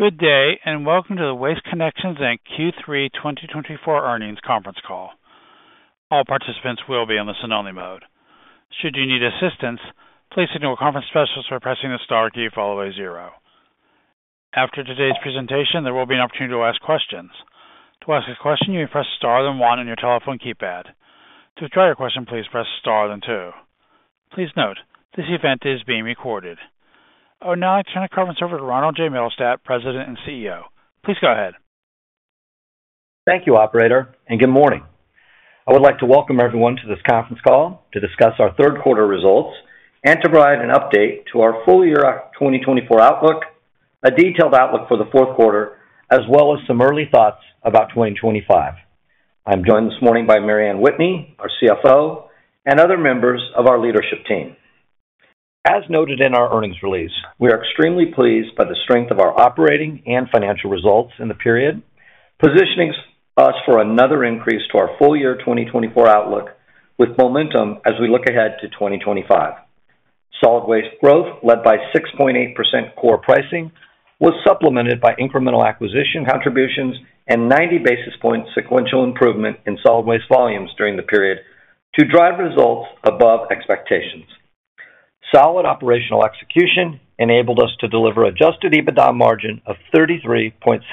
Good day, and welcome to the Waste Connections Inc. Q3 2024 Earnings Conference call. All participants will be on the listen-only mode. Should you need assistance, please signal a conference specialist by pressing the star key, followed by zero. After today's presentation, there will be an opportunity to ask questions. To ask a question, you may press star, then one on your telephone keypad. To withdraw your question, please press star, then two. Please note, this event is being recorded. I would now like to turn the conference over to Ronald J. Mittelstaedt, President and CEO. Please go ahead. Thank you, operator, and good morning. I would like to welcome everyone to this conference call to discuss our third quarter results and to provide an update to our full year 2024 outlook, a detailed outlook for the fourth quarter, as well as some early thoughts about 2025. I'm joined this morning by Mary Anne Whitney, our CFO, and other members of our leadership team. As noted in our earnings release, we are extremely pleased by the strength of our operating and financial results in the period, positioning us for another increase to our full year 2024 outlook, with momentum as we look ahead to 2025. Solid waste growth, led by 6.8% core pricing, was supplemented by incremental acquisition contributions and 90 basis points sequential improvement in solid waste volumes during the period to drive results above expectations. Solid operational execution enabled us to deliver adjusted EBITDA margin of 33.7% in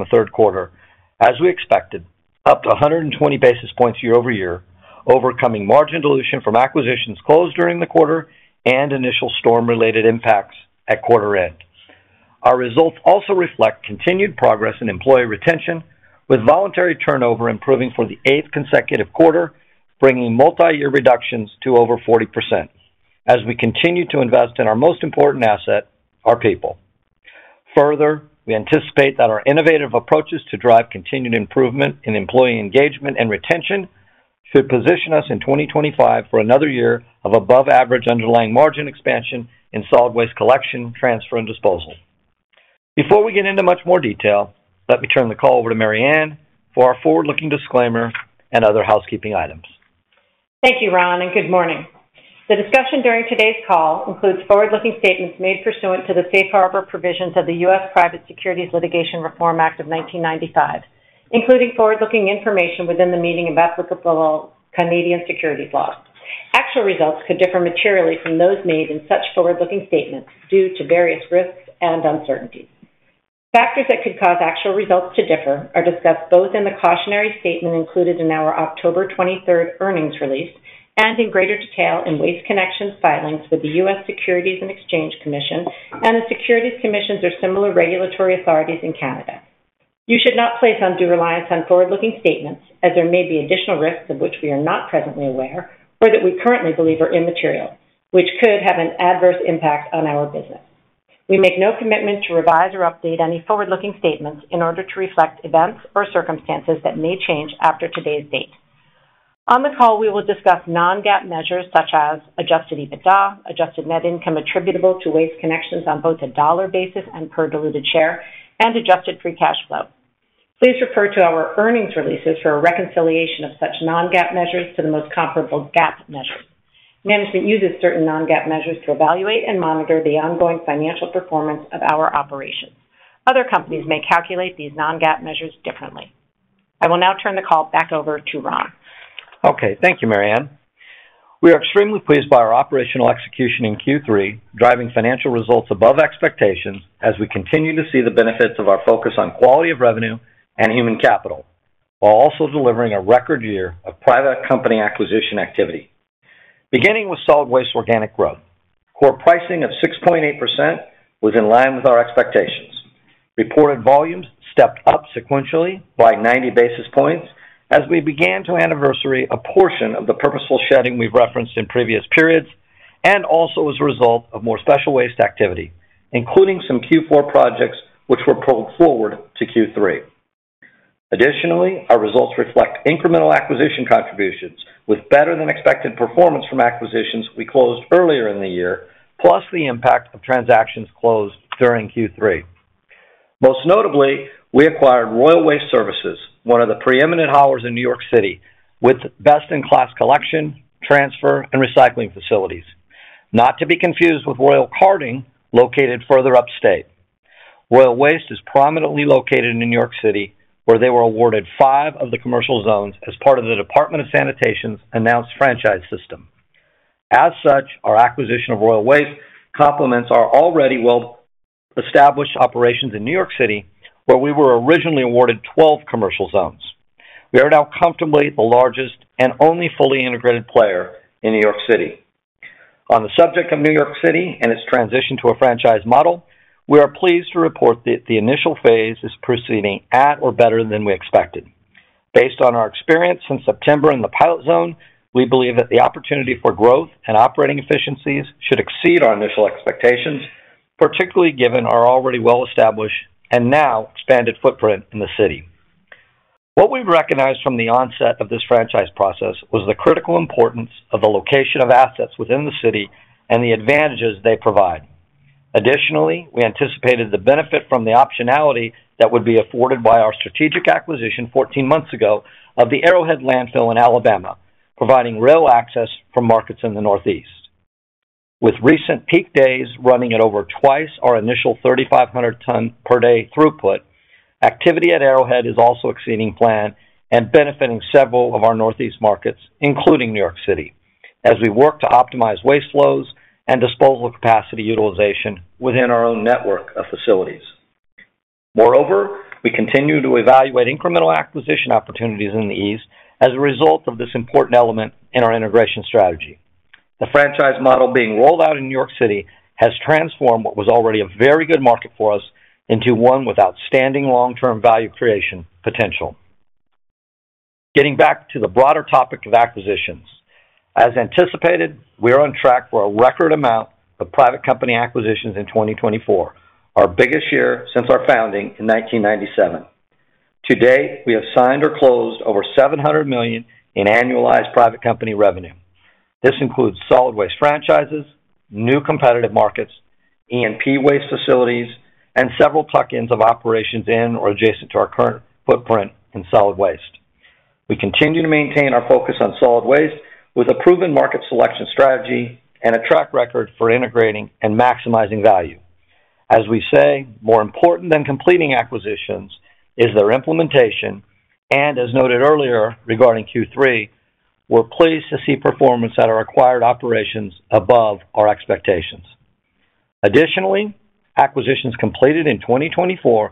the third quarter, as we expected, up 120 basis points year-over-year, overcoming margin dilution from acquisitions closed during the quarter and initial storm-related impacts at quarter end. Our results also reflect continued progress in employee retention, with voluntary turnover improving for the eighth consecutive quarter, bringing multiyear reductions to over 40%, as we continue to invest in our most important asset, our people. Further, we anticipate that our innovative approaches to drive continued improvement in employee engagement and retention should position us in 2025 for another year of above-average underlying margin expansion in solid waste collection, transfer, and disposal. Before we get into much more detail, let me turn the call over to Mary Anne for our forward-looking disclaimer and other housekeeping items. Thank you, Ron, and good morning. The discussion during today's call includes forward-looking statements made pursuant to the Safe Harbor Provisions of the U.S. Private Securities Litigation Reform Act of 1995, including forward-looking information within the meaning of applicable Canadian securities laws. Actual results could differ materially from those made in such forward-looking statements due to various risks and uncertainties. Factors that could cause actual results to differ are discussed both in the cautionary statement included in our October 23 Earnings Release and in greater detail in Waste Connections's filings with the U.S. Securities and Exchange Commission and the securities commissions or similar regulatory authorities in Canada. You should not place undue reliance on forward-looking statements, as there may be additional risks of which we are not presently aware or that we currently believe are immaterial, which could have an adverse impact on our business. We make no commitment to revise or update any forward-looking statements in order to reflect events or circumstances that may change after today's date. On the call, we will discuss non-GAAP measures such as Adjusted EBITDA, Adjusted Net Income attributable to Waste Connections on both a dollar basis and per diluted share, and Adjusted Free Cash Flow. Please refer to our earnings releases for a reconciliation of such non-GAAP measures to the most comparable GAAP measures. Management uses certain non-GAAP measures to evaluate and monitor the ongoing financial performance of our operations. Other companies may calculate these non-GAAP measures differently. I will now turn the call back over to Ron. Okay. Thank you, Mary Anne. We are extremely pleased by our operational execution in Q3, driving financial results above expectations as we continue to see the benefits of our focus on quality of revenue and human capital, while also delivering a record year of private company acquisition activity. Beginning with solid waste organic growth, core pricing of 6.8% was in line with our expectations. Reported volumes stepped up sequentially by 90 basis points as we began to anniversary a portion of the purposeful shedding we've referenced in previous periods and also as a result of more special waste activity, including some Q4 projects which were pulled forward to Q3. Additionally, our results reflect incremental acquisition contributions, with better-than-expected performance from acquisitions we closed earlier in the year, plus the impact of transactions closed during Q3. Most notably, we acquired Royal Waste Services, one of the preeminent haulers in New York City, with best-in-class collection, transfer, and recycling facilities. Not to be confused with Royal Carting, located further upstate. Royal Waste is prominently located in New York City, where they were awarded five of the commercial zones as part of the Department of Sanitation's announced franchise system. As such, our acquisition of Royal Waste complements our already well-established operations in New York City, where we were originally awarded 12 commercial zones. We are now comfortably the largest and only fully integrated player in New York City. On the subject of New York City and its transition to a franchise model, we are pleased to report that the initial phase is proceeding at or better than we expected. Based on our experience in September in the pilot zone, we believe that the opportunity for growth and operating efficiencies should exceed our initial expectations, particularly given our already well-established and now expanded footprint in the city. What we've recognized from the onset of this franchise process was the critical importance of the location of assets within the city and the advantages they provide. Additionally, we anticipated the benefit from the optionality that would be afforded by our strategic acquisition 14 months ago of the Arrowhead Landfill in Alabama, providing rail access from markets in the Northeast. With recent peak days running at over twice our initial 3,500 ton per day throughput, activity at Arrowhead is also exceeding plan and benefiting several of our Northeast markets, including New York City, as we work to optimize waste flows and disposal capacity utilization within our own network of facilities. Moreover, we continue to evaluate incremental acquisition opportunities in the East as a result of this important element in our integration strategy. The franchise model being rolled out in New York City has transformed what was already a very good market for us into one with outstanding long-term value creation potential. Getting back to the broader topic of acquisitions, as anticipated, we are on track for a record amount of private company acquisitions in 2024, our biggest year since our founding in 1997. To date, we have signed or closed over $700 million in annualized private company revenue. This includes solid waste franchises, new competitive markets, E&P waste facilities, and several tuck-ins of operations in or adjacent to our current footprint in solid waste. We continue to maintain our focus on solid waste, with a proven market selection strategy and a track record for integrating and maximizing value. As we say, more important than completing acquisitions is their implementation, and as noted earlier regarding Q3, we're pleased to see performance at our acquired operations above our expectations. Additionally, acquisitions completed in 2024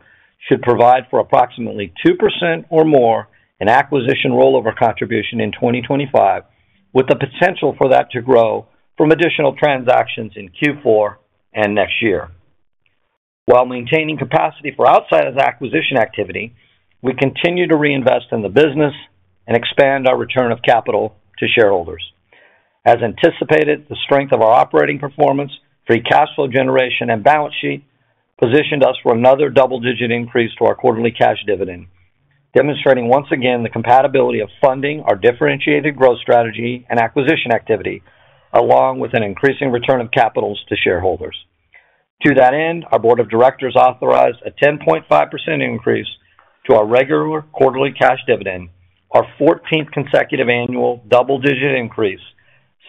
should provide for approximately 2% or more in acquisition rollover contribution in 2025, with the potential for that to grow from additional transactions in Q4 and next year. While maintaining capacity for outsized acquisition activity, we continue to reinvest in the business and expand our return of capital to shareholders. As anticipated, the strength of our operating performance, free cash flow generation, and balance sheet positioned us for another double-digit increase to our quarterly cash dividend, demonstrating once again the compatibility of funding our differentiated growth strategy and acquisition activity, along with an increasing return of capital to shareholders. To that end, our board of directors authorized a 10.5 increase to our regular quarterly cash dividend, our fourteenth consecutive annual double-digit increase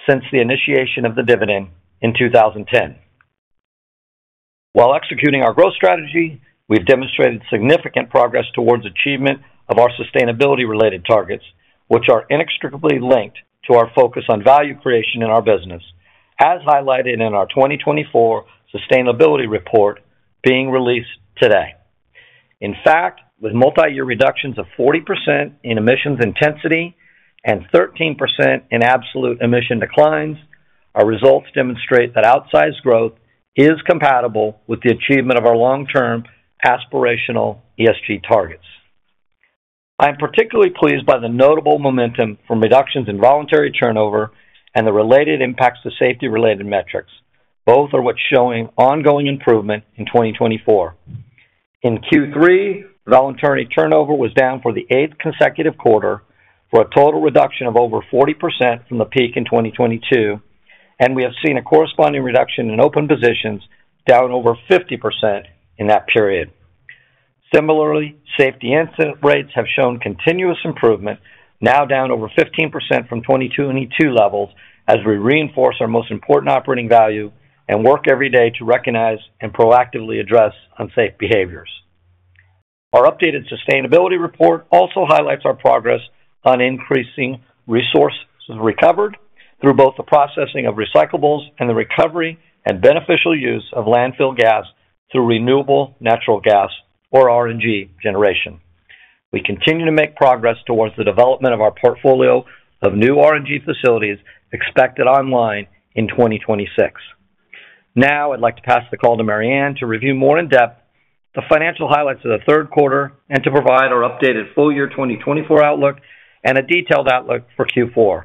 since the initiation of the dividend in 2010. While executing our growth strategy, we've demonstrated significant progress towards achievement of our sustainability-related targets, which are inextricably linked to our focus on value creation in our business, as highlighted in our 2024 sustainability report being released today. In fact, with multiyear reductions of 40% in emissions intensity and 13% in absolute emission declines, our results demonstrate that outsized growth is compatible with the achievement of our long-term aspirational ESG targets. I am particularly pleased by the notable momentum from reductions in voluntary turnover and the related impacts to safety-related metrics. Both are what's showing ongoing improvement in 2024. In Q3, voluntary turnover was down for the eighth consecutive quarter, for a total reduction of over 40% from the peak in 2022, and we have seen a corresponding reduction in open positions, down over 50% in that period. Similarly, safety incident rates have shown continuous improvement, now down over 15% from 2022 levels, as we reinforce our most important operating value and work every day to recognize and proactively address unsafe behaviors. Our updated sustainability report also highlights our progress on increasing resources recovered through both the processing of recyclables and the recovery and beneficial use of landfill gas through renewable natural gas, or RNG, generation. We continue to make progress towards the development of our portfolio of new RNG facilities expected online in 2026. Now I'd like to pass the call to Mary Anne to review more in depth the financial highlights of the third quarter and to provide our updated full year 2024 outlook and a detailed outlook for Q4.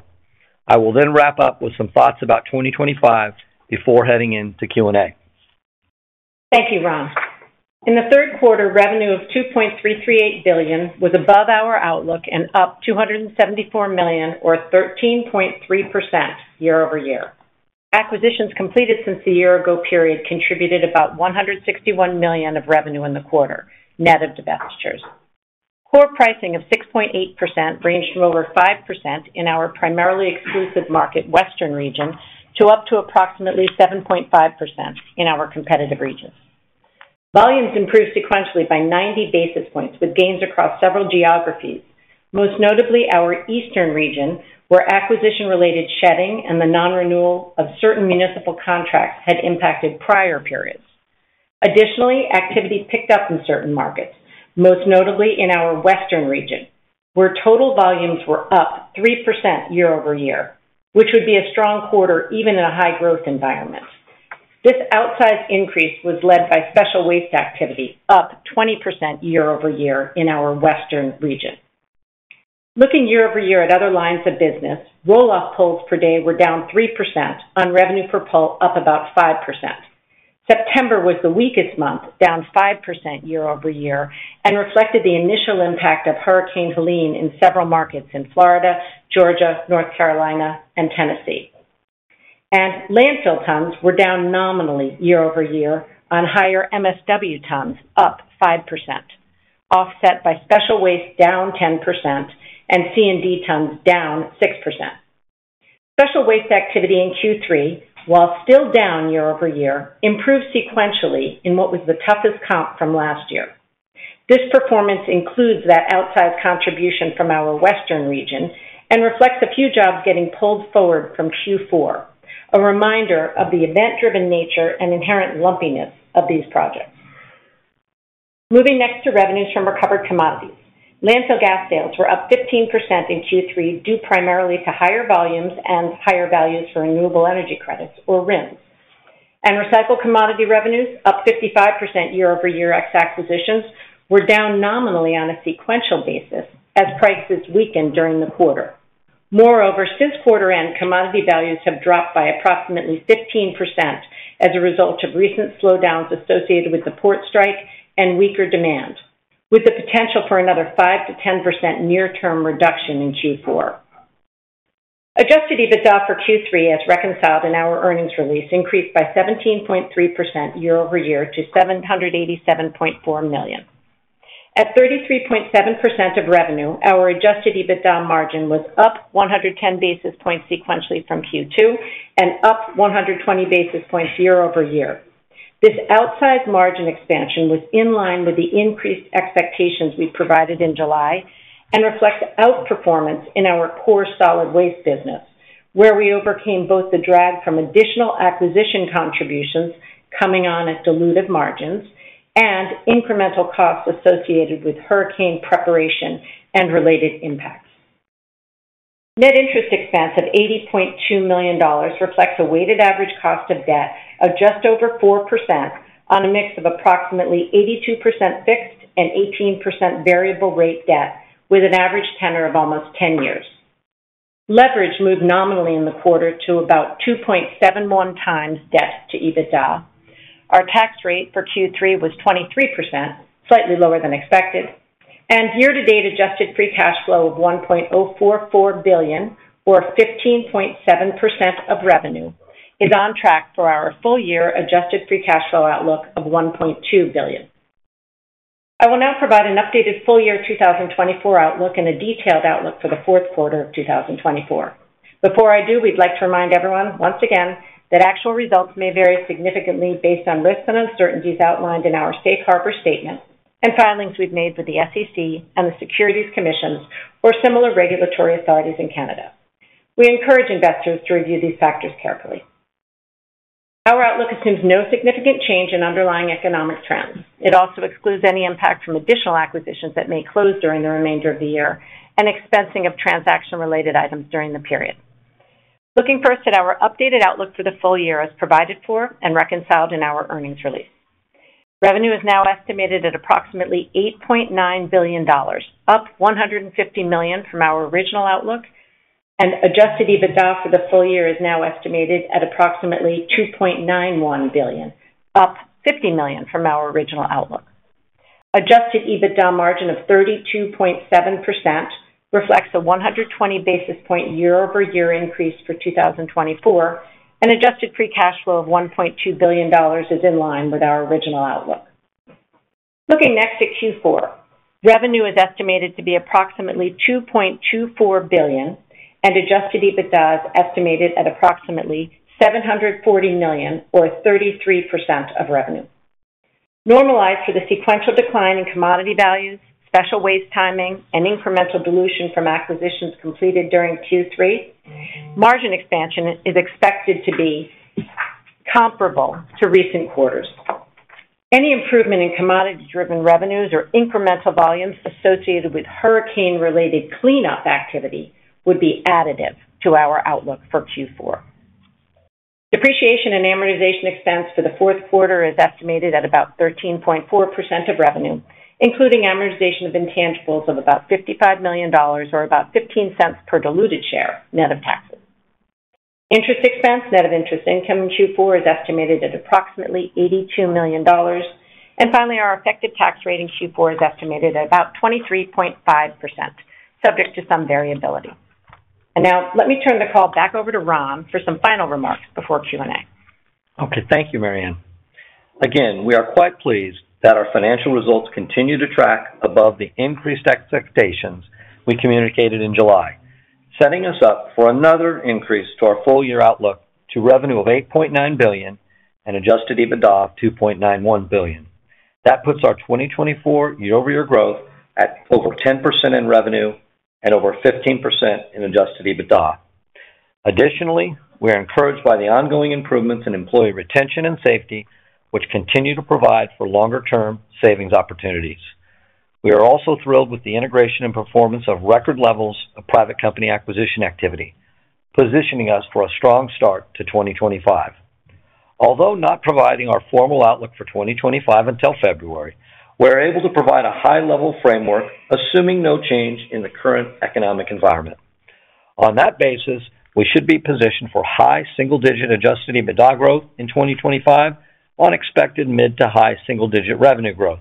I will then wrap up with some thoughts about 2025 before heading into Q&A. Thank you, Ron. In the third quarter, revenue of $2.338 billion was above our outlook and up $274 million, or 13.3% year-over-year. Acquisitions completed since the year ago period contributed about $161 million of revenue in the quarter, net of divestitures. Core pricing of 6.8% ranged from over 5% in our primarily exclusive market Western Region, to up to approximately 7.5% in our competitive regions. Volumes improved sequentially by 90 basis points, with gains across several geographies, most notably our Eastern Region, where acquisition-related shedding and the non-renewal of certain municipal contracts had impacted prior periods. Additionally, activity picked up in certain markets, most notably in our Western Region, where total volumes were up 3% year-over-year, which would be a strong quarter even in a high-growth environment. This outsized increase was led by special waste activity, up 20% year-over-year in our Western Region. Looking year-over-year at other lines of business, roll-off pulls per day were down 3% on revenue per pull, up about 5%. September was the weakest month, down 5% year-over-year, and reflected the initial impact of Hurricane Helene in several markets in Florida, Georgia, North Carolina, and Tennessee... and landfill tons were down nominally year-over-year on higher MSW tons, up 5%, offset by special waste down 10% and C&D tons down 6%. Special Waste activity in Q3, while still down year-over-year, improved sequentially in what was the toughest comp from last year. This performance includes that outsized contribution from our Western Region and reflects a few jobs getting pulled forward from Q4, a reminder of the event-driven nature and inherent lumpiness of these projects. Moving next to revenues from recovered commodities. Landfill gas sales were up 15% in Q3, due primarily to higher volumes and higher values for renewable energy credits, or RINs. And recycled commodity revenues, up 55% year-over-year ex acquisitions, were down nominally on a sequential basis as prices weakened during the quarter. Moreover, since quarter end, commodity values have dropped by approximately 15% as a result of recent slowdowns associated with the port strike and weaker demand, with the potential for another 5-10% near-term reduction in Q4. Adjusted EBITDA for Q3, as reconciled in our earnings release, increased by 17.3% year-over-year to $787.4 million. At 33.7% of revenue, our adjusted EBITDA margin was up 110 basis points sequentially from Q2 and up 120 basis points year-over-year. This outsized margin expansion was in line with the increased expectations we provided in July and reflects outperformance in our core solid waste business, where we overcame both the drag from additional acquisition contributions coming on at dilutive margins and incremental costs associated with hurricane preparation and related impacts. Net interest expense of $80.2 million reflects a weighted average cost of debt of just over 4% on a mix of approximately 82% fixed and 18% variable rate debt, with an average tenor of almost 10 years. Leverage moved nominally in the quarter to about 2.71 times debt to EBITDA. Our tax rate for Q3 was 23%, slightly lower than expected, and year-to-date adjusted free cash flow of $1.4 billion, or 15.7% of revenue, is on track for our full-year 2024 adjusted free cash flow outlook of $1.2 billion. I will now provide an updated full-year 2024 outlook and a detailed outlook for the fourth quarter of 2024. Before I do, we'd like to remind everyone once again that actual results may vary significantly based on risks and uncertainties outlined in our safe harbor statement and filings we've made with the SEC and the Securities Commissions or similar regulatory authorities in Canada. We encourage investors to review these factors carefully. Our outlook assumes no significant change in underlying economic trends. It also excludes any impact from additional acquisitions that may close during the remainder of the year and expensing of transaction-related items during the period. Looking first at our updated outlook for the full year, as provided for and reconciled in our earnings release. Revenue is now estimated at approximately $8.9 billion, up $150 million from our original outlook, and adjusted EBITDA for the full year is now estimated at approximately $2.91 billion, up $50 million from our original outlook. Adjusted EBITDA margin of 32.7% reflects a 120 basis point year-over-year increase for 2024, and adjusted free cash flow of $1.2 billion is in line with our original outlook. Looking next at Q4. Revenue is estimated to be approximately $2.24 billion, and adjusted EBITDA is estimated at approximately $740 million, or 33% of revenue. Normalized for the sequential decline in commodity values, special waste timing, and incremental dilution from acquisitions completed during Q3, margin expansion is expected to be comparable to recent quarters. Any improvement in commodity-driven revenues or incremental volumes associated with hurricane-related cleanup activity would be additive to our outlook for Q4. Depreciation and amortization expense for the fourth quarter is estimated at about 13.4% of revenue, including amortization of intangibles of about $55 million, or about $0.15 per diluted share, net of taxes. Interest expense, net of interest income in Q4, is estimated at approximately $82 million. Finally, our effective tax rate in Q4 is estimated at about 23.5%, subject to some variability. Now let me turn the call back over to Ron for some final remarks before Q&A. Okay, thank you, Mary Anne. Again, we are quite pleased that our financial results continue to track above the increased expectations we communicated in July, setting us up for another increase to our full-year outlook to revenue of $8.9 billion and adjusted EBITDA of $2.91 billion. That puts our 2024 year-over-year growth at over 10% in revenue and over 15% in adjusted EBITDA. Additionally, we are encouraged by the ongoing improvements in employee retention and safety, which continue to provide for longer-term savings opportunities. We are also thrilled with the integration and performance of record levels of private company acquisition activity, positioning us for a strong start to 2025. Although not providing our formal outlook for 2025 until February, we're able to provide a high-level framework, assuming no change in the current economic environment. On that basis, we should be positioned for high single-digit Adjusted EBITDA growth in 2025 on expected mid- to high single-digit revenue growth,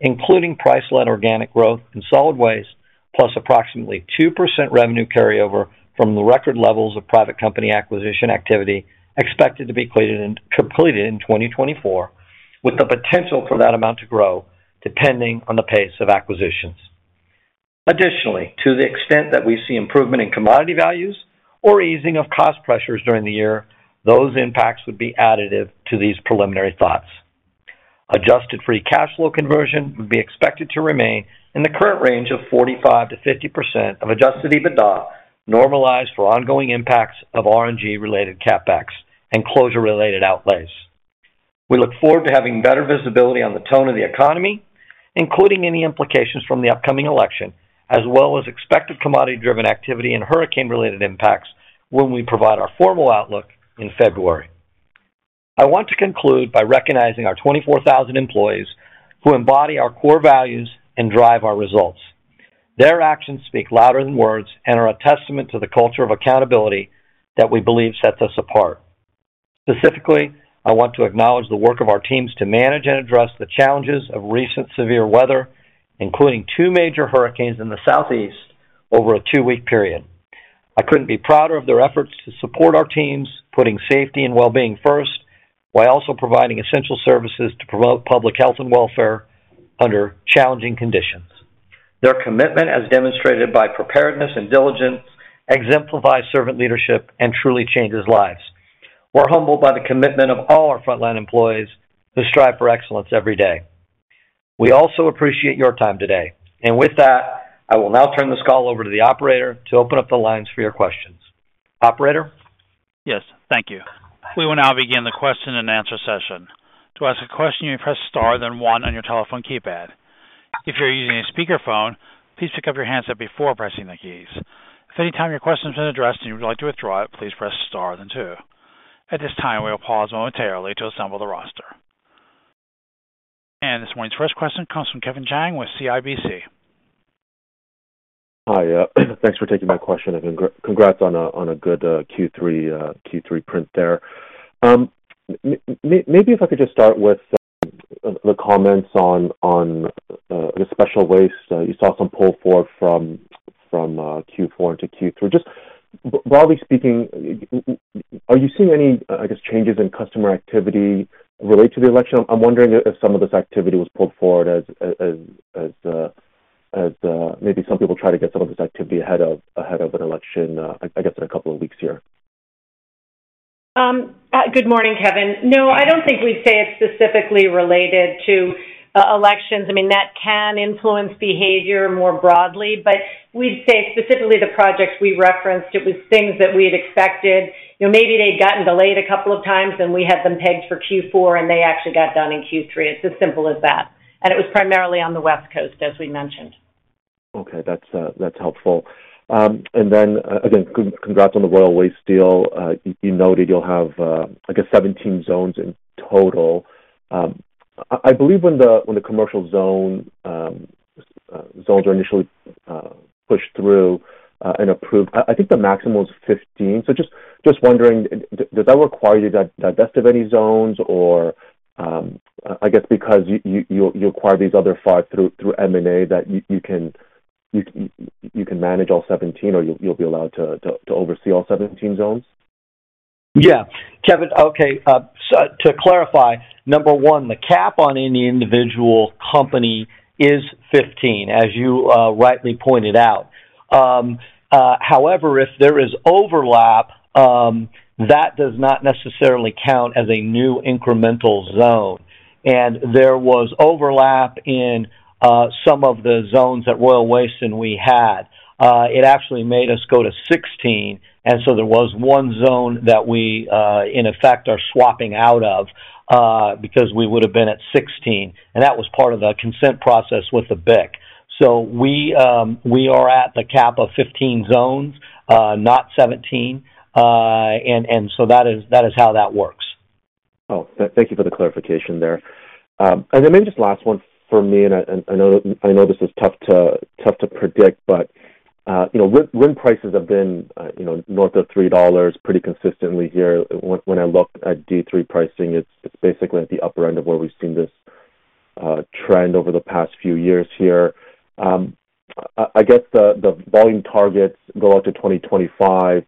including price-led organic growth in solid waste, plus approximately 2% revenue carryover from the record levels of private company acquisition activity expected to be completed in 2024, with the potential for that amount to grow, depending on the pace of acquisitions. Additionally, to the extent that we see improvement in commodity values or easing of cost pressures during the year, those impacts would be additive to these preliminary thoughts. Adjusted Free Cash Flow conversion would be expected to remain in the current range of 45%-50% of Adjusted EBITDA, normalized for ongoing impacts of RNG-related CapEx and closure-related outlays. We look forward to having better visibility on the tone of the economy, including any implications from the upcoming election, as well as expected commodity-driven activity and hurricane-related impacts when we provide our formal outlook in February. I want to conclude by recognizing our 24,000 employees who embody our core values and drive our results. Their actions speak louder than words and are a testament to the culture of accountability that we believe sets us apart. Specifically, I want to acknowledge the work of our teams to manage and address the challenges of recent severe weather, including two major hurricanes in the Southeast over a two-week period. I couldn't be prouder of their efforts to support our teams, putting safety and well-being first, while also providing essential services to promote public health and welfare under challenging conditions. Their commitment, as demonstrated by preparedness and diligence, exemplifies servant leadership and truly changes lives. We're humbled by the commitment of all our frontline employees who strive for excellence every day. We also appreciate your time today, and with that, I will now turn this call over to the operator to open up the lines for your questions. Operator? Yes, thank you. We will now begin the question-and-answer session. To ask a question, you press star, then one on your telephone keypad. If you're using a speakerphone, please pick up your handset before pressing the keys. If any time your question has been addressed and you would like to withdraw it, please press star then two. At this time, we will pause momentarily to assemble the roster, and this morning's first question comes from Kevin Chiang with CIBC. Hi, thanks for taking my question, and congrats on a good Q3 print there. Maybe if I could just start with the comments on the special waste. You saw some pull forward from Q4 into Q3. Just broadly speaking, are you seeing any, I guess, changes in customer activity related to the election? I'm wondering if some of this activity was pulled forward as maybe some people try to get some of this activity ahead of an election, I guess, in a couple of weeks here. Good morning, Kevin. No, I don't think we'd say it's specifically related to elections. I mean, that can influence behavior more broadly, but we'd say specifically the projects we referenced, it was things that we had expected. You know, maybe they'd gotten delayed a couple of times, and we had them pegged for Q4, and they actually got done in Q3. It's as simple as that. And it was primarily on the West Coast, as we mentioned. Okay, that's, that's helpful. And then, again, congrats on the Royal Waste deal. You noted you'll have, I guess, 17 zones in total. I believe when the commercial zones are initially pushed through and approved, I think the maximum was 15. So just wondering, does that require you to divest of any zones? Or, I guess because you acquired these other 5 through M&A, that you can manage all 17, or you'll be allowed to oversee all 17 zones? Yeah. Kevin, okay, so to clarify, number one, the cap on any individual company is 15, as you rightly pointed out. However, if there is overlap, that does not necessarily count as a new incremental zone, and there was overlap in some of the zones at Royal Waste than we had. It actually made us go to 16, and so there was one zone that we in effect are swapping out of, because we would've been at 16, and that was part of the consent process with the BIC, so we are at the cap of 15 zones, not 17, and so that is how that works. Oh, thank you for the clarification there, and then maybe just last one for me, and I know this is tough to predict, but you know, RIN prices have been you know, north of $3 pretty consistently here. When I look at D3 pricing, it's basically at the upper end of where we've seen this trend over the past few years here. I guess the volume targets go out to 2025.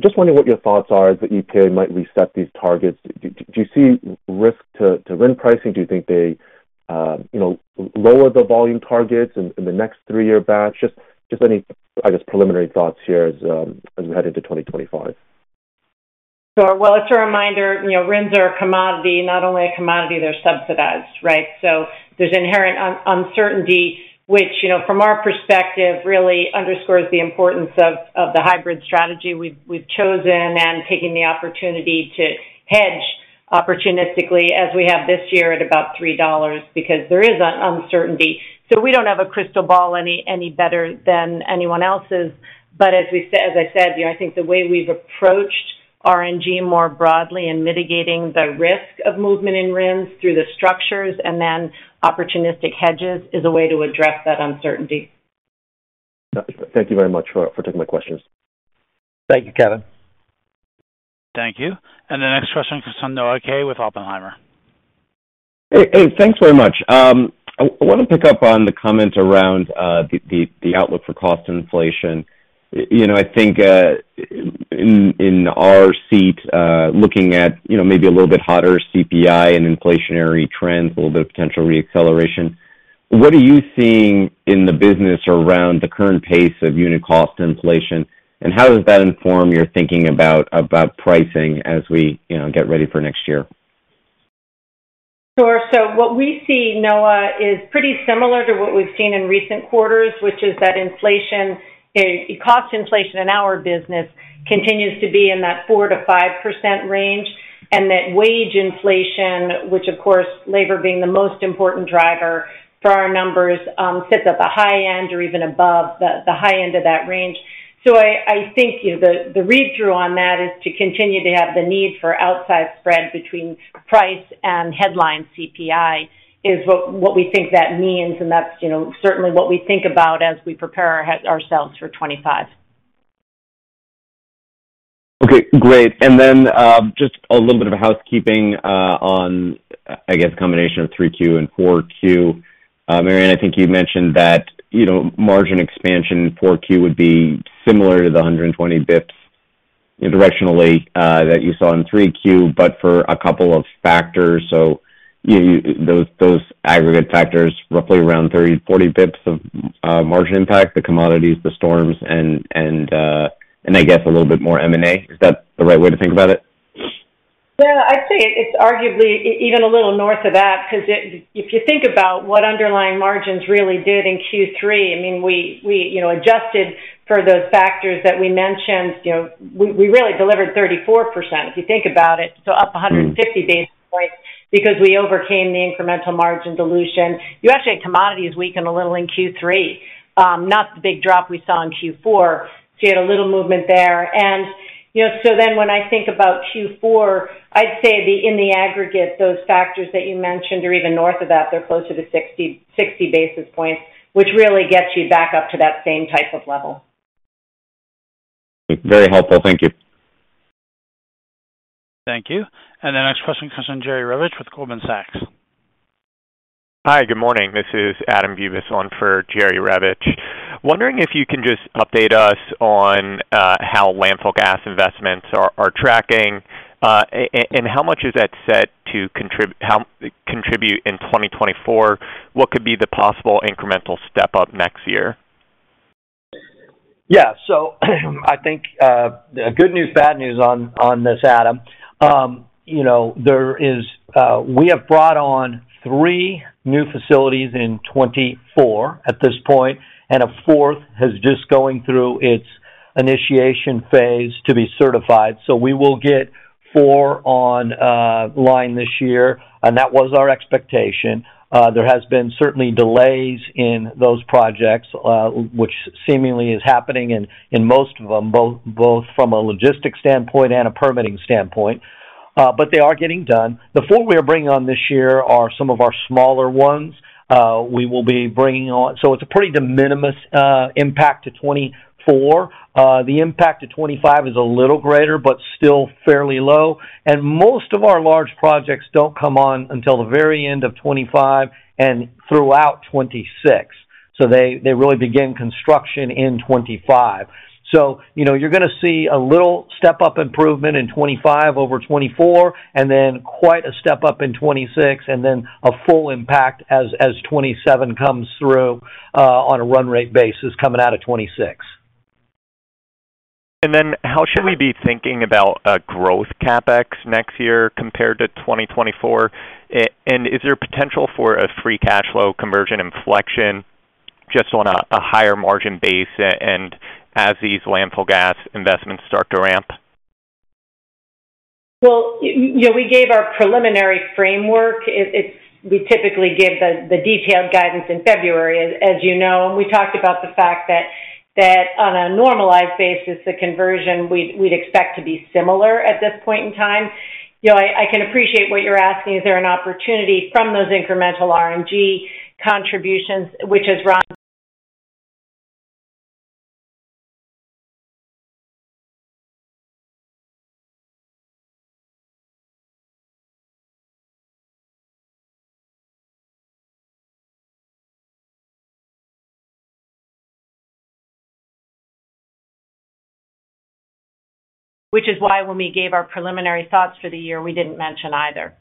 Just wondering what your thoughts are as the EPA might reset these targets. Do you see risk to RIN pricing? Do you think they you know, lower the volume targets in the next three-year batch? Just any, I guess, preliminary thoughts here as we head into 2025. So, well, it's a reminder, you know, RINs are a commodity, not only a commodity, they're subsidized, right? So there's inherent uncertainty, which, you know, from our perspective, really underscores the importance of the hybrid strategy we've chosen and taking the opportunity to hedge opportunistically as we have this year at about $3, because there is an uncertainty. So we don't have a crystal ball any better than anyone else's. But as we said, as I said, you know, I think the way we've approached RNG more broadly in mitigating the risk of movement in RINs through the structures and then opportunistic hedges is a way to address that uncertainty. Thank you very much for taking my questions. Thank you, Kevin. ... Thank you. And the next question comes from Noah Kaye with Oppenheimer. Hey, hey, thanks very much. I want to pick up on the comment around the outlook for cost inflation. You know, I think in our seat looking at, you know, maybe a little bit hotter CPI and inflationary trends, a little bit of potential re-acceleration, what are you seeing in the business around the current pace of unit cost inflation? And how does that inform your thinking about pricing as we, you know, get ready for next year? Sure. So what we see, Noah, is pretty similar to what we've seen in recent quarters, which is that inflation, cost inflation in our business continues to be in that 4%-5% range, and that wage inflation, which of course, labor being the most important driver for our numbers, sits at the high end or even above the high end of that range. So I think, you know, the read-through on that is to continue to have the need for upside spread between price and headline CPI, is what we think that means, and that's, you know, certainly what we think about as we prepare ourselves for 2025. Okay, great. And then, just a little bit of a housekeeping, on I guess combination of three Q and four Q. Mary Anne, I think you mentioned that, you know, margin expansion in four Q would be similar to the 120 basis points directionally, that you saw in three Q, but for a couple of factors. So you those aggregate factors, roughly around 30-40 basis points of margin impact, the commodities, the storms and I guess a little bit more M&A. Is that the right way to think about it? I'd say it's arguably even a little north of that, because if you think about what underlying margins really did in Q3, I mean, we you know adjusted for those factors that we mentioned. You know, we really delivered 34%, if you think about it. Up 150 basis points, because we overcame the incremental margin dilution. You actually had commodities weaken a little in Q3, not the big drop we saw in Q4. You had a little movement there. When I think about Q4, I'd say in the aggregate those factors that you mentioned are even north of that. They're closer to 60 basis points, which really gets you back up to that same type of level. Very helpful. Thank you. Thank you. And the next question comes from Jerry Revich with Goldman Sachs. Hi, good morning. This is Adam Bubes on for Jerry Revich. Wondering if you can just update us on how landfill gas investments are tracking and how much is that set to contribute in 2024? What could be the possible incremental step up next year? Yeah. So I think, good news, bad news on, on this, Adam. You know, there is, we have brought on three new facilities in 2024 at this point, and a fourth is just going through its initiation phase to be certified. So we will get four on, line this year, and that was our expectation. There has been certainly delays in those projects, which seemingly is happening in, in most of them, both from a logistics standpoint and a permitting standpoint, but they are getting done. The four we are bringing on this year are some of our smaller ones. We will be bringing on... So it's a pretty de minimis, impact to 2024. The impact to 2025 is a little greater, but still fairly low. Most of our large projects don't come on until the very end of 2025 and throughout 2026. So they really begin construction in 2025. So, you know, you're gonna see a little step-up improvement in 2025 over 2024, and then quite a step-up in 2026, and then a full impact as 2027 comes through on a run rate basis coming out of 2026. And then how should we be thinking about growth CapEx next year compared to 2024? And is there potential for a free cash flow conversion inflection just on a higher margin base, and as these landfill gas investments start to ramp? You know, we gave our preliminary framework. It is. We typically give the detailed guidance in February, as you know, and we talked about the fact that on a normalized basis, the conversion we'd expect to be similar at this point in time. You know, I can appreciate what you're asking: is there an opportunity from those incremental RNG contributions, which is why when we gave our preliminary thoughts for the year, we didn't mention either.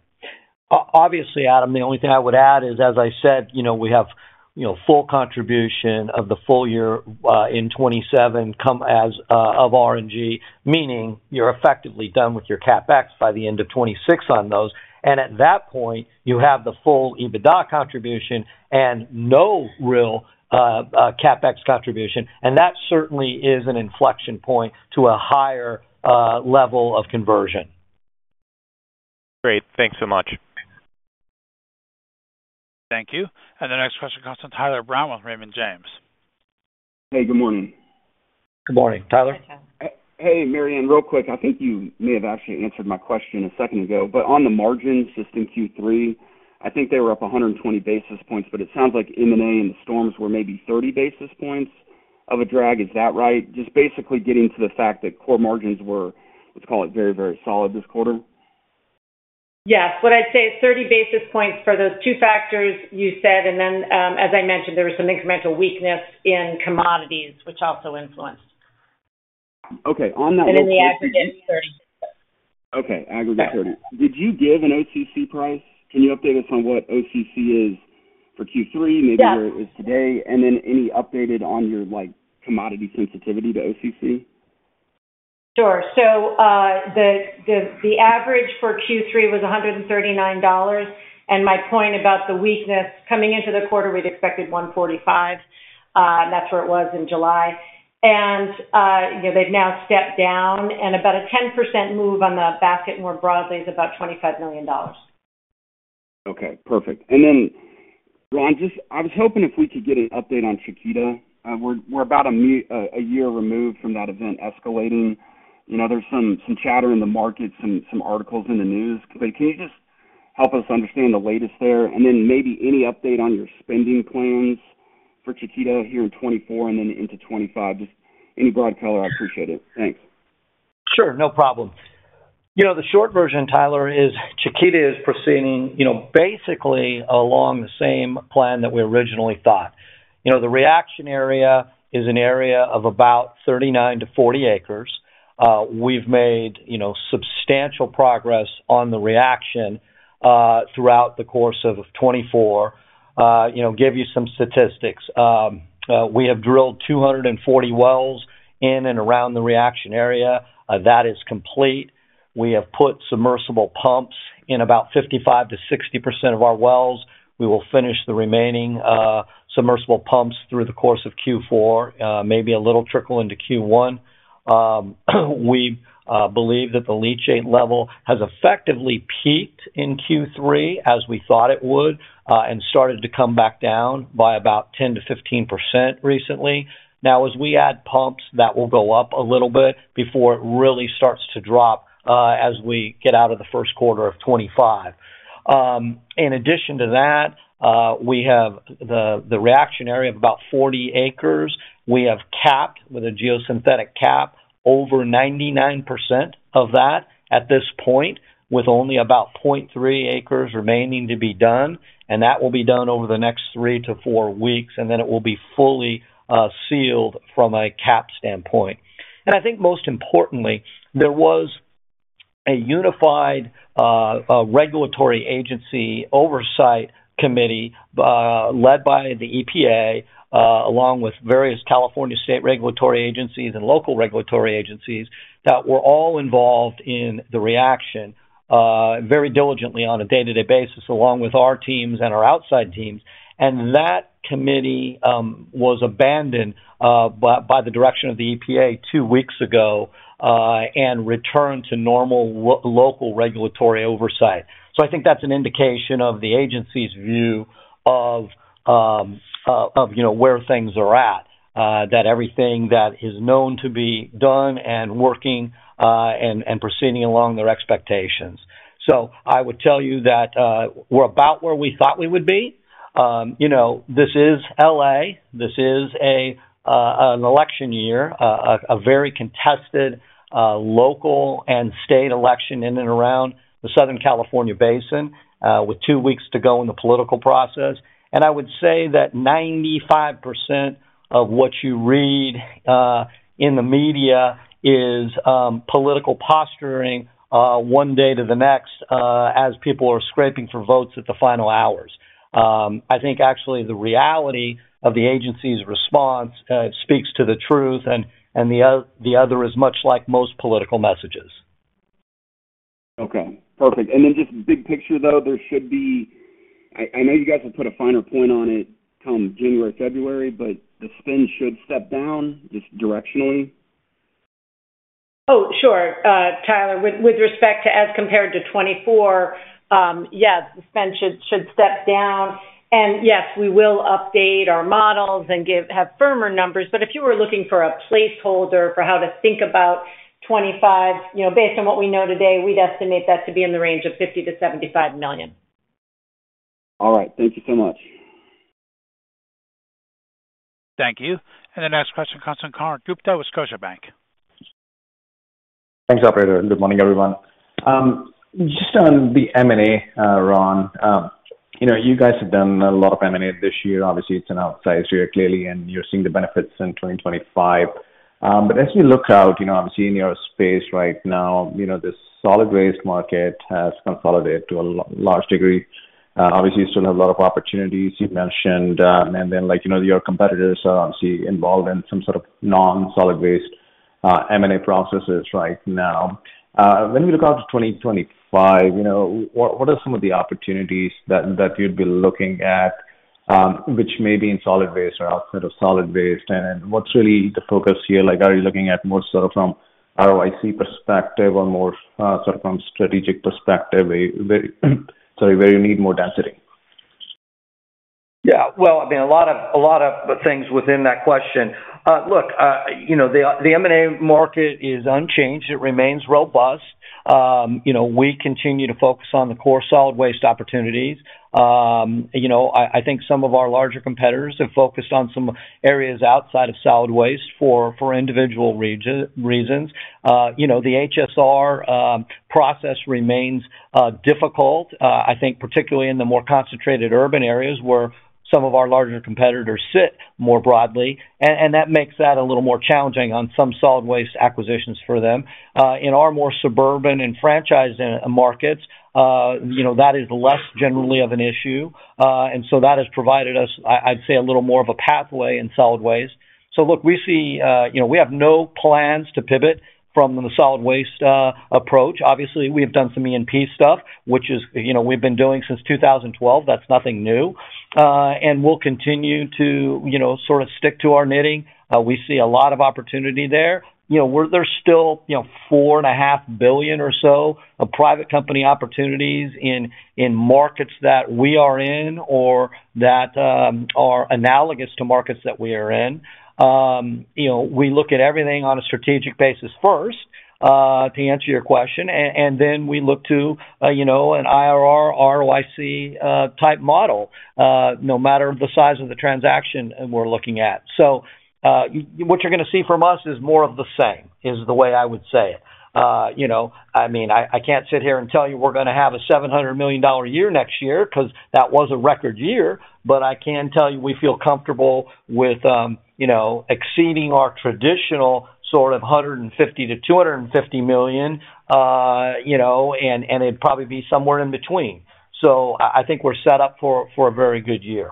Obviously, Adam, the only thing I would add is, as I said, you know, we have, you know, full contribution of the full year in 2027 comes as of RNG, meaning you're effectively done with your CapEx by the end of 2026 on those, and at that point, you have the full EBITDA contribution and no real CapEx contribution, and that certainly is an inflection point to a higher level of conversion. Great. Thanks so much. Thank you, and the next question comes from Tyler Brown with Raymond James. Hey, good morning. Good morning, Tyler. Hi, Tyler. Hey, Mary Anne, real quick, I think you may have actually answered my question a second ago, but on the margins just in Q3, I think they were up a hundred and 20 basis points, but it sounds like M&A and the storms were maybe 30 basis points, of a drag. Is that right? Just basically getting to the fact that core margins were, let's call it, very solid this quarter. Yes. What I'd say is 30 basis points for those two factors you said, and then, as I mentioned, there was some incremental weakness in commodities, which also influenced. Okay, on that- In the aggregate, 30. Okay, aggregate 30. Did you give an OCC price? Can you update us on what OCC is for Q3? Yeah. Maybe where it is today? And then any updates on your, like, commodity sensitivity to OCC? Sure. So, the average for Q3 was $139. And my point about the weakness, coming into the quarter, we'd expected $145, and that's where it was in July. And, you know, they've now stepped down, and about a 10% move on the basket more broadly is about $25 million. Okay, perfect. And then, Ron, just I was hoping if we could get an update on Chiquita. We're about a year removed from that event escalating. You know, there's some chatter in the market, some articles in the news. But can you just help us understand the latest there, and then maybe any update on your spending plans for Chiquita here in 2024 and then into 2025? Just any broad color, I appreciate it. Thanks. Sure, no problem. You know, the short version, Tyler, is Chiquita is proceeding, you know, basically along the same plan that we originally thought. You know, the reaction area is an area of about 39-40 acres. We've made, you know, substantial progress on the reaction, throughout the course of 2024. You know, give you some statistics. We have drilled 240 wells in and around the reaction area. That is complete. We have put submersible pumps in about 55%-60% of our wells. We will finish the remaining submersible pumps through the course of Q4, maybe a little trickle into Q1. We believe that the leachate level has effectively peaked in Q3, as we thought it would, and started to come back down by about 10%-15% recently. Now, as we add pumps, that will go up a little bit before it really starts to drop, as we get out of the first quarter of 2025. In addition to that, we have the reaction area of about 40 acres. We have capped with a geosynthetic cap over 99% of that at this point, with only about 0.3 acres remaining to be done, and that will be done over the next three to four weeks, and then it will be fully sealed from a cap standpoint. I think most importantly, there was a unified regulatory agency oversight committee led by the EPA, along with various California state regulatory agencies and local regulatory agencies, that were all involved in the reaction very diligently on a day-to-day basis, along with our teams and our outside teams. That committee was abandoned by the direction of the EPA two weeks ago and returned to normal local regulatory oversight. I think that's an indication of the agency's view of, you know, where things are at, that everything that is known to be done and working and proceeding along their expectations. I would tell you that we're about where we thought we would be. You know, this is LA. This is an election year, a very contested local and state election in and around the Southern California basin with two weeks to go in the political process. And I would say that 95% of what you read in the media is political posturing, one day to the next, as people are scraping for votes at the final hours. I think actually the reality of the agency's response speaks to the truth, and the other is much like most political messages. Okay, perfect. And then just big picture, though, there should be... I know you guys have put a finer point on it come January, February, but the spend should step down, just directionally? Oh, sure, Tyler. With respect to as compared to 2024, yes, the spend should step down. And yes, we will update our models and have firmer numbers, but if you were looking for a placeholder for how to think about 2025, you know, based on what we know today, we'd estimate that to be in the range of $50-75 million. All right. Thank you so much. Thank you, and the next question comes from Konark Gupta with Scotiabank. Thanks, operator. Good morning, everyone. Just on the M&A, Ron, you know, you guys have done a lot of M&A this year. Obviously, it's an outsized year, clearly, and you're seeing the benefits in 2025. But as we look out, you know, obviously in your space right now, you know, the solid waste market has consolidated to a large degree. Obviously, you still have a lot of opportunities you mentioned, and then, like, you know, your competitors are obviously involved in some sort of non-solid waste, M&A processes right now. When we look out to 2025, you know, what, what are some of the opportunities that, that you'd be looking at, which may be in solid waste or outside of solid waste? And what's really the focus here? Like, are you looking at more sort of from ROIC perspective or more, sort of from strategic perspective, where, sorry, where you need more density? Yeah. Well, I mean, a lot of, a lot of things within that question. Look, you know, the, the M&A market is unchanged. It remains robust... You know, we continue to focus on the core solid waste opportunities. You know, I think some of our larger competitors have focused on some areas outside of solid waste for individual reasons. You know, the HSR process remains difficult, I think particularly in the more concentrated urban areas where some of our larger competitors sit more broadly, and that makes that a little more challenging on some solid waste acquisitions for them. In our more suburban and franchise markets, you know, that is less generally of an issue. And so that has provided us, I'd say, a little more of a pathway in solid waste. So look, we see, you know, we have no plans to pivot from the solid waste approach. Obviously, we've done some E&P stuff, which is, you know, we've been doing since two thousand and twelve. That's nothing new. And we'll continue to, you know, sort of stick to our knitting. We see a lot of opportunity there. You know, we're. There's still, you know, $4.5 billion or so of private company opportunities in markets that we are in or that are analogous to markets that we are in. You know, we look at everything on a strategic basis first, to answer your question, and then we look to, you know, an IRR, ROIC type model, no matter the size of the transaction we're looking at. What you're gonna see from us is more of the same, is the way I would say it. You know, I mean, I can't sit here and tell you we're gonna have a $700 million year next year, 'cause that was a record year, but I can tell you we feel comfortable with, you know, exceeding our traditional sort of $150-$250 million, you know, and it'd probably be somewhere in between. I think we're set up for a very good year.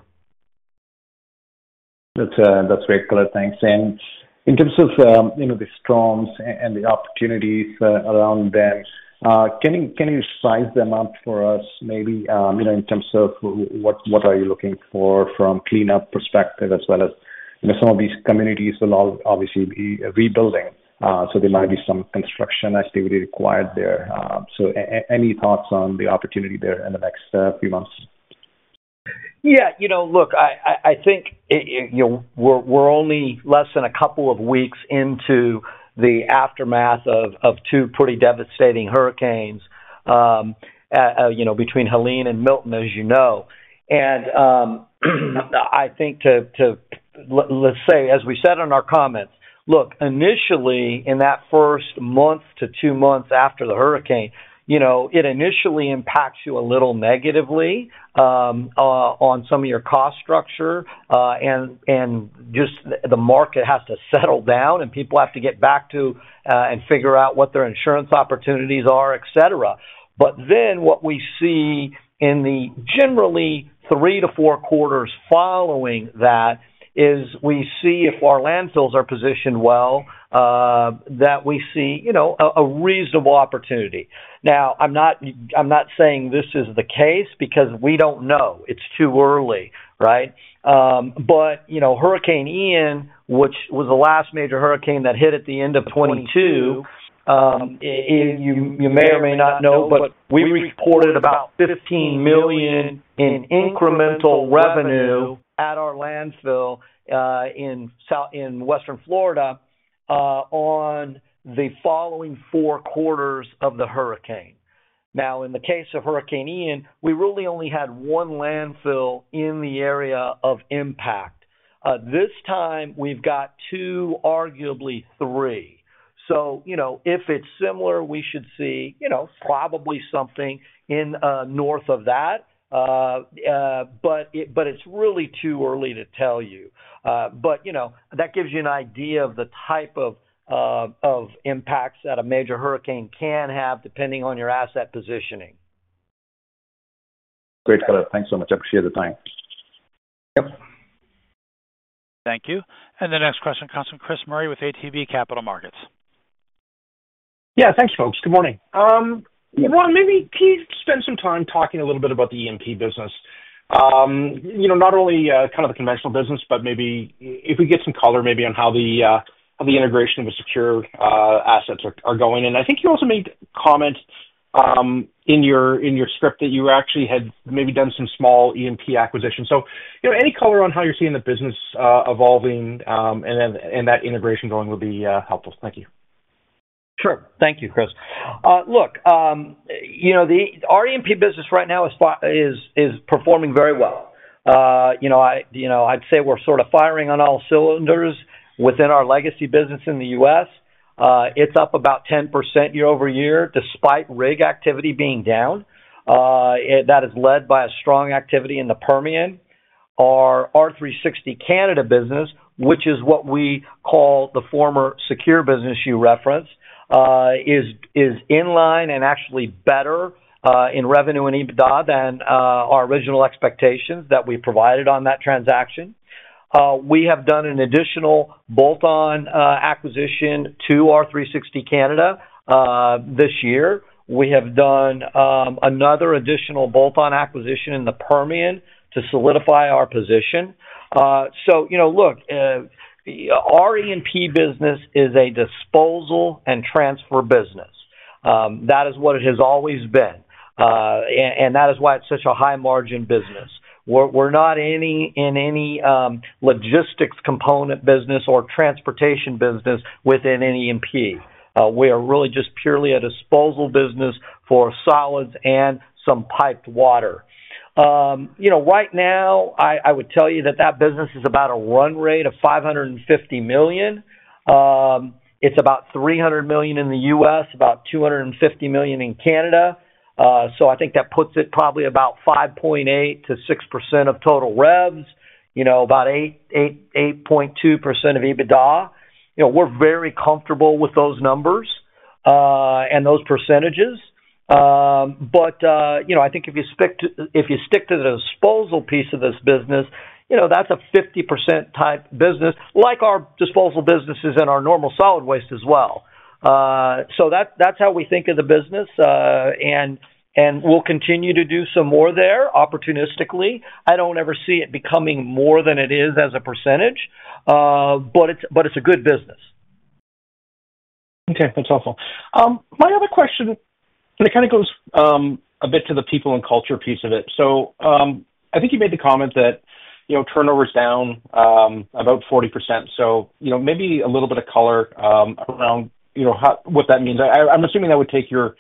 That's, that's great, Caleb. Thanks. And in terms of, you know, the storms and, and the opportunities, around them, can you, can you size them up for us, maybe, you know, in terms of what, what are you looking for from cleanup perspective, as well as, you know, some of these communities will all obviously be rebuilding, so there might be some construction activity required there. So any thoughts on the opportunity there in the next, few months? Yeah, you know, look, I think you know, we're only less than a couple of weeks into the aftermath of two pretty devastating hurricanes, you know, between Helene and Milton, as you know. And I think, let's say, as we said in our comments, look, initially, in that first month to two months after the hurricane, you know, it initially impacts you a little negatively on some of your cost structure, and just the market has to settle down, and people have to get back to and figure out what their insurance opportunities are, et cetera. But then, what we see in the generally three to four quarters following that is we see if our landfills are positioned well, that we see, you know, a reasonable opportunity. Now, I'm not, I'm not saying this is the case because we don't know. It's too early, right? But, you know, Hurricane Ian, which was the last major hurricane that hit at the end of 2022, you may or may not know, but we reported about $15 million in incremental revenue at our landfill in Western Florida on the following four quarters of the hurricane. Now, in the case of Hurricane Ian, we really only had one landfill in the area of impact. This time, we've got two, arguably three. So, you know, if it's similar, we should see, you know, probably something in north of that. But it's really too early to tell you. But, you know, that gives you an idea of the type of impacts that a major hurricane can have, depending on your asset positioning. Great, Caleb. Thanks so much. I appreciate the time. Yep. Thank you, and the next question comes from Chris Murray with ATB Capital Markets. Yeah, thanks, folks. Good morning. Ron, maybe can you spend some time talking a little bit about the E&P business? You know, not only kind of the conventional business, but maybe if we get some color, maybe on how the integration of the Secure assets are going. And I think you also made comments in your script, that you actually had maybe done some small E&P acquisitions. So, you know, any color on how you're seeing the business evolving, and then and that integration going would be helpful. Thank you. Sure. Thank you, Chris. You know, our E&P business right now is performing very well. You know, you know, I'd say we're sort of firing on all cylinders within our legacy business in the U.S. It's up about 10% year-over-year, despite rig activity being down. That is led by a strong activity in the Permian. Our R360 Canada business, which is what we call the former Secure business you referenced, is in line and actually better in revenue and EBITDA than our original expectations that we provided on that transaction. We have done an additional bolt-on acquisition to R360 Canada this year. We have done another additional bolt-on acquisition in the Permian to solidify our position. So you know, look, our E&P business is a disposal and transfer business. That is what it has always been, and that is why it's such a high-margin business. We're not in any logistics component business or transportation business within any E&P. We are really just purely a disposal business for solids and some piped water. You know, right now, I would tell you that business is about a run rate of $550 million. It's about $300 million in the U.S., about $250 million in Canada. So I think that puts it probably about 5.8%-6% of total revs, you know, about 8.2% of EBITDA. You know, we're very comfortable with those numbers and those percentages. But, you know, I think if you stick to the disposal piece of this business, you know, that's a 50% type business, like our disposal businesses and our normal solid waste as well. So that's how we think of the business, and we'll continue to do some more there, opportunistically. I don't ever see it becoming more than it is as a percentage, but it's a good business. Okay. That's helpful. My other question, and it kind of goes a bit to the people and culture piece of it. So, I think you made the comment that, you know, turnover is down about 40%. So, you know, maybe a little bit of color around, you know, how what that means. I'm assuming that would take your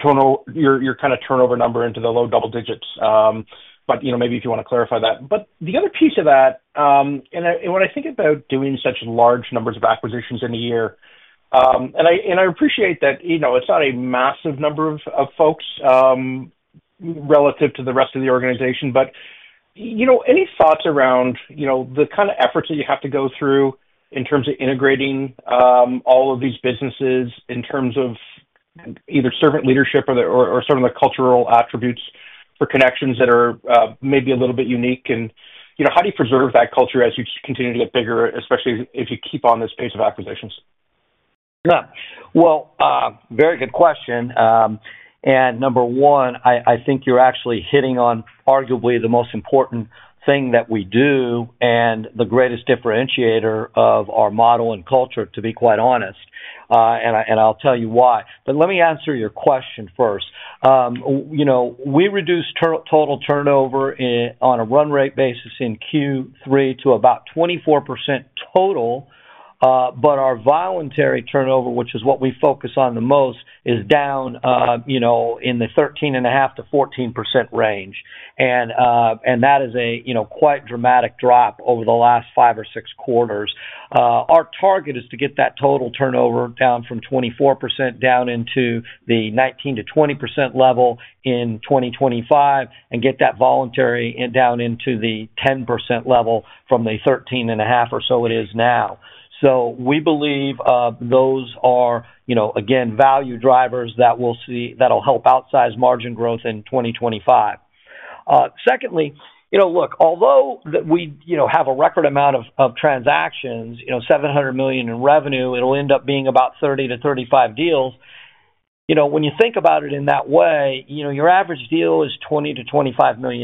turnover number into the low double digits, but, you know, maybe if you want to clarify that. But the other piece of that, and when I think about doing such large numbers of acquisitions in a year, and I appreciate that, you know, it's not a massive number of folks relative to the rest of the organization. But, you know, any thoughts around, you know, the kind of efforts that you have to go through in terms of integrating all of these businesses, in terms of either servant leadership or some of the cultural attributes for Connections that are maybe a little bit unique? And, you know, how do you preserve that culture as you continue to get bigger, especially if you keep on this pace of acquisitions? Yeah. Well, very good question, and number one, I think you're actually hitting on arguably the most important thing that we do and the greatest differentiator of our model and culture, to be quite honest, and I'll tell you why. But let me answer your question first. You know, we reduced total turnover on a run rate basis in Q3 to about 24% total, but our voluntary turnover, which is what we focus on the most, is down, you know, in the 13.5%-14% range, and that is a you know, quite dramatic drop over the last 5 or 6 quarters. Our target is to get that total turnover down from 24%, down into the 19%-20% level in 2025, and get that voluntary down into the 10% level from the 13.5% or so it is now. So we believe, those are, you know, again, value drivers that we'll see that'll help outsize margin growth in 2025. Secondly, you know, look, although we, you know, have a record amount of transactions, you know, $700 million in revenue, it'll end up being about 30-35 deals. You know, when you think about it in that way, you know, your average deal is $20 million-$25 million,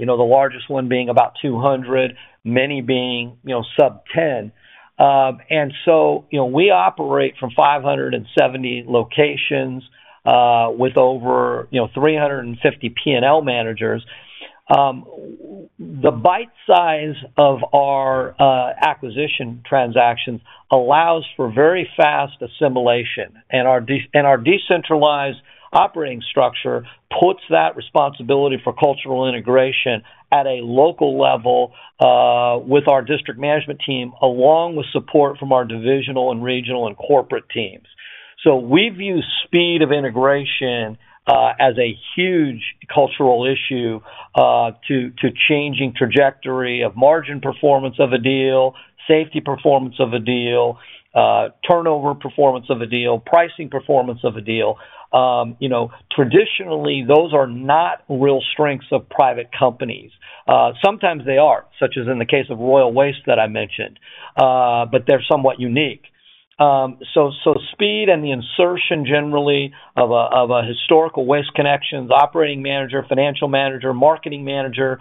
you know, the largest one being about $200 million, many being, you know, sub-$10 million. And so, you know, we operate from five hundred and seventy locations, with over, you know, three hundred and fifty P&L managers. The bite size of our, acquisition transactions allows for very fast assimilation, and our and our decentralized operating structure puts that responsibility for cultural integration at a local level, with our district management team, along with support from our divisional and regional and corporate teams. So we view speed of integration, as a huge cultural issue, to changing trajectory of margin performance of a deal, safety performance of a deal, turnover performance of a deal, pricing performance of a deal. You know, traditionally, those are not real strengths of private companies. Sometimes they are, such as in the case of Royal Waste that I mentioned, but they're somewhat unique. So, speed and the insertion generally of a historical Waste Connections operating manager, financial manager, marketing manager,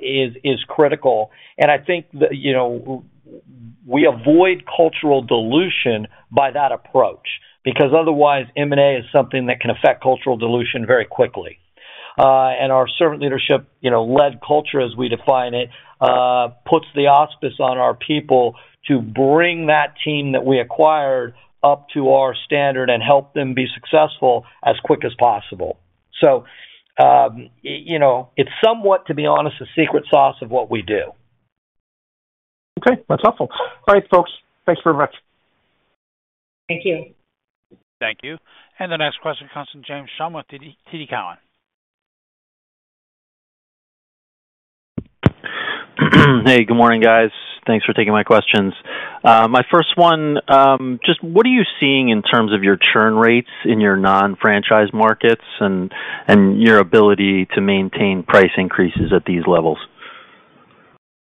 is critical. And I think that, you know, we avoid cultural dilution by that approach, because otherwise, M&A is something that can affect cultural dilution very quickly. And our servant leadership, you know, led culture, as we define it, puts the auspice on our people to bring that team that we acquired up to our standard and help them be successful as quick as possible. So, you know, it's somewhat, to be honest, the secret sauce of what we do. Okay. That's helpful. All right, folks. Thanks very much. Thank you. Thank you. And the next question comes from James Schumm with TD Cowen. Hey, good morning, guys. Thanks for taking my questions. My first one, just what are you seeing in terms of your churn rates in your non-franchise markets and your ability to maintain price increases at these levels?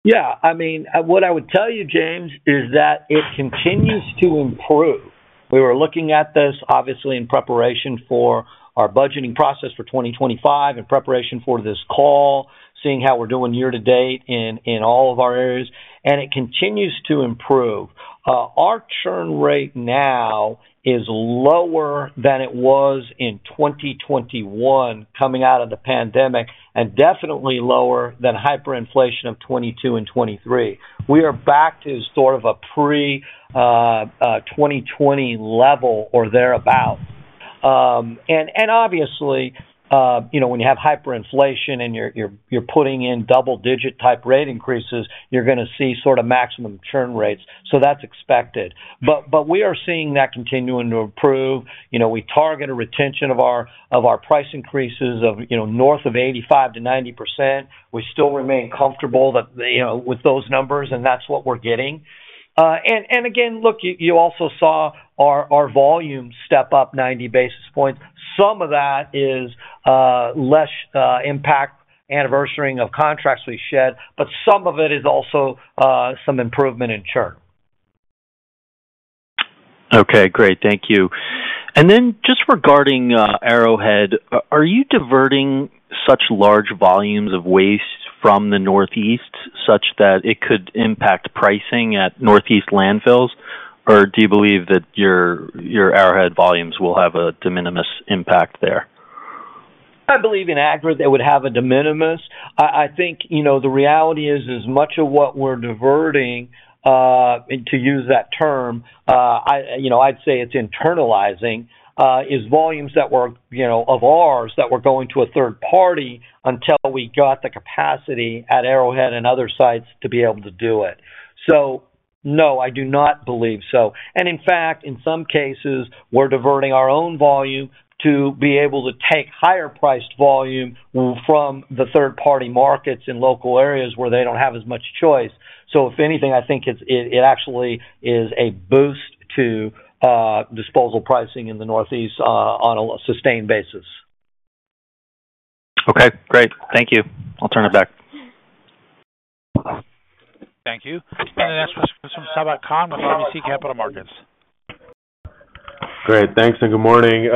...Yeah, I mean, what I would tell you, James, is that it continues to improve. We were looking at this obviously in preparation for our budgeting process for 2025, in preparation for this call, seeing how we're doing year to date in all of our areas, and it continues to improve. Our churn rate now is lower than it was in 2021, coming out of the pandemic, and definitely lower than hyperinflation of 2022 and 2023. We are back to sort of a pre-2020 level or thereabout, and obviously, you know, when you have hyperinflation and you're putting in double-digit type rate increases, you're gonna see sort of maximum churn rates, so that's expected. But we are seeing that continuing to improve. You know, we target a retention of our price increases of, you know, north of 85%-90%. We still remain comfortable that, you know, with those numbers, and that's what we're getting, and again, look, you also saw our volume step up 90 basis points. Some of that is less impact anniversarying of contracts we shed, but some of it is also some improvement in churn. Okay, great. Thank you. And then just regarding Arrowhead, are you diverting such large volumes of waste from the Northeast such that it could impact pricing at Northeast landfills? Or do you believe that your Arrowhead volumes will have a de minimis impact there? I believe, in aggregate, they would have a de minimis. I think, you know, the reality is much of what we're diverting, and to use that term, you know, I'd say it's internalizing is volumes that were, you know, of ours that were going to a third party until we got the capacity at Arrowhead and other sites to be able to do it. So no, I do not believe so. And in fact, in some cases, we're diverting our own volume to be able to take higher-priced volume from the third-party markets in local areas where they don't have as much choice. So if anything, I think it's actually a boost to disposal pricing in the Northeast on a sustained basis. Okay, great. Thank you. I'll turn it back. Thank you, and the next question is from Sabahat Khan with RBC Capital Markets. Great. Thanks, and good morning.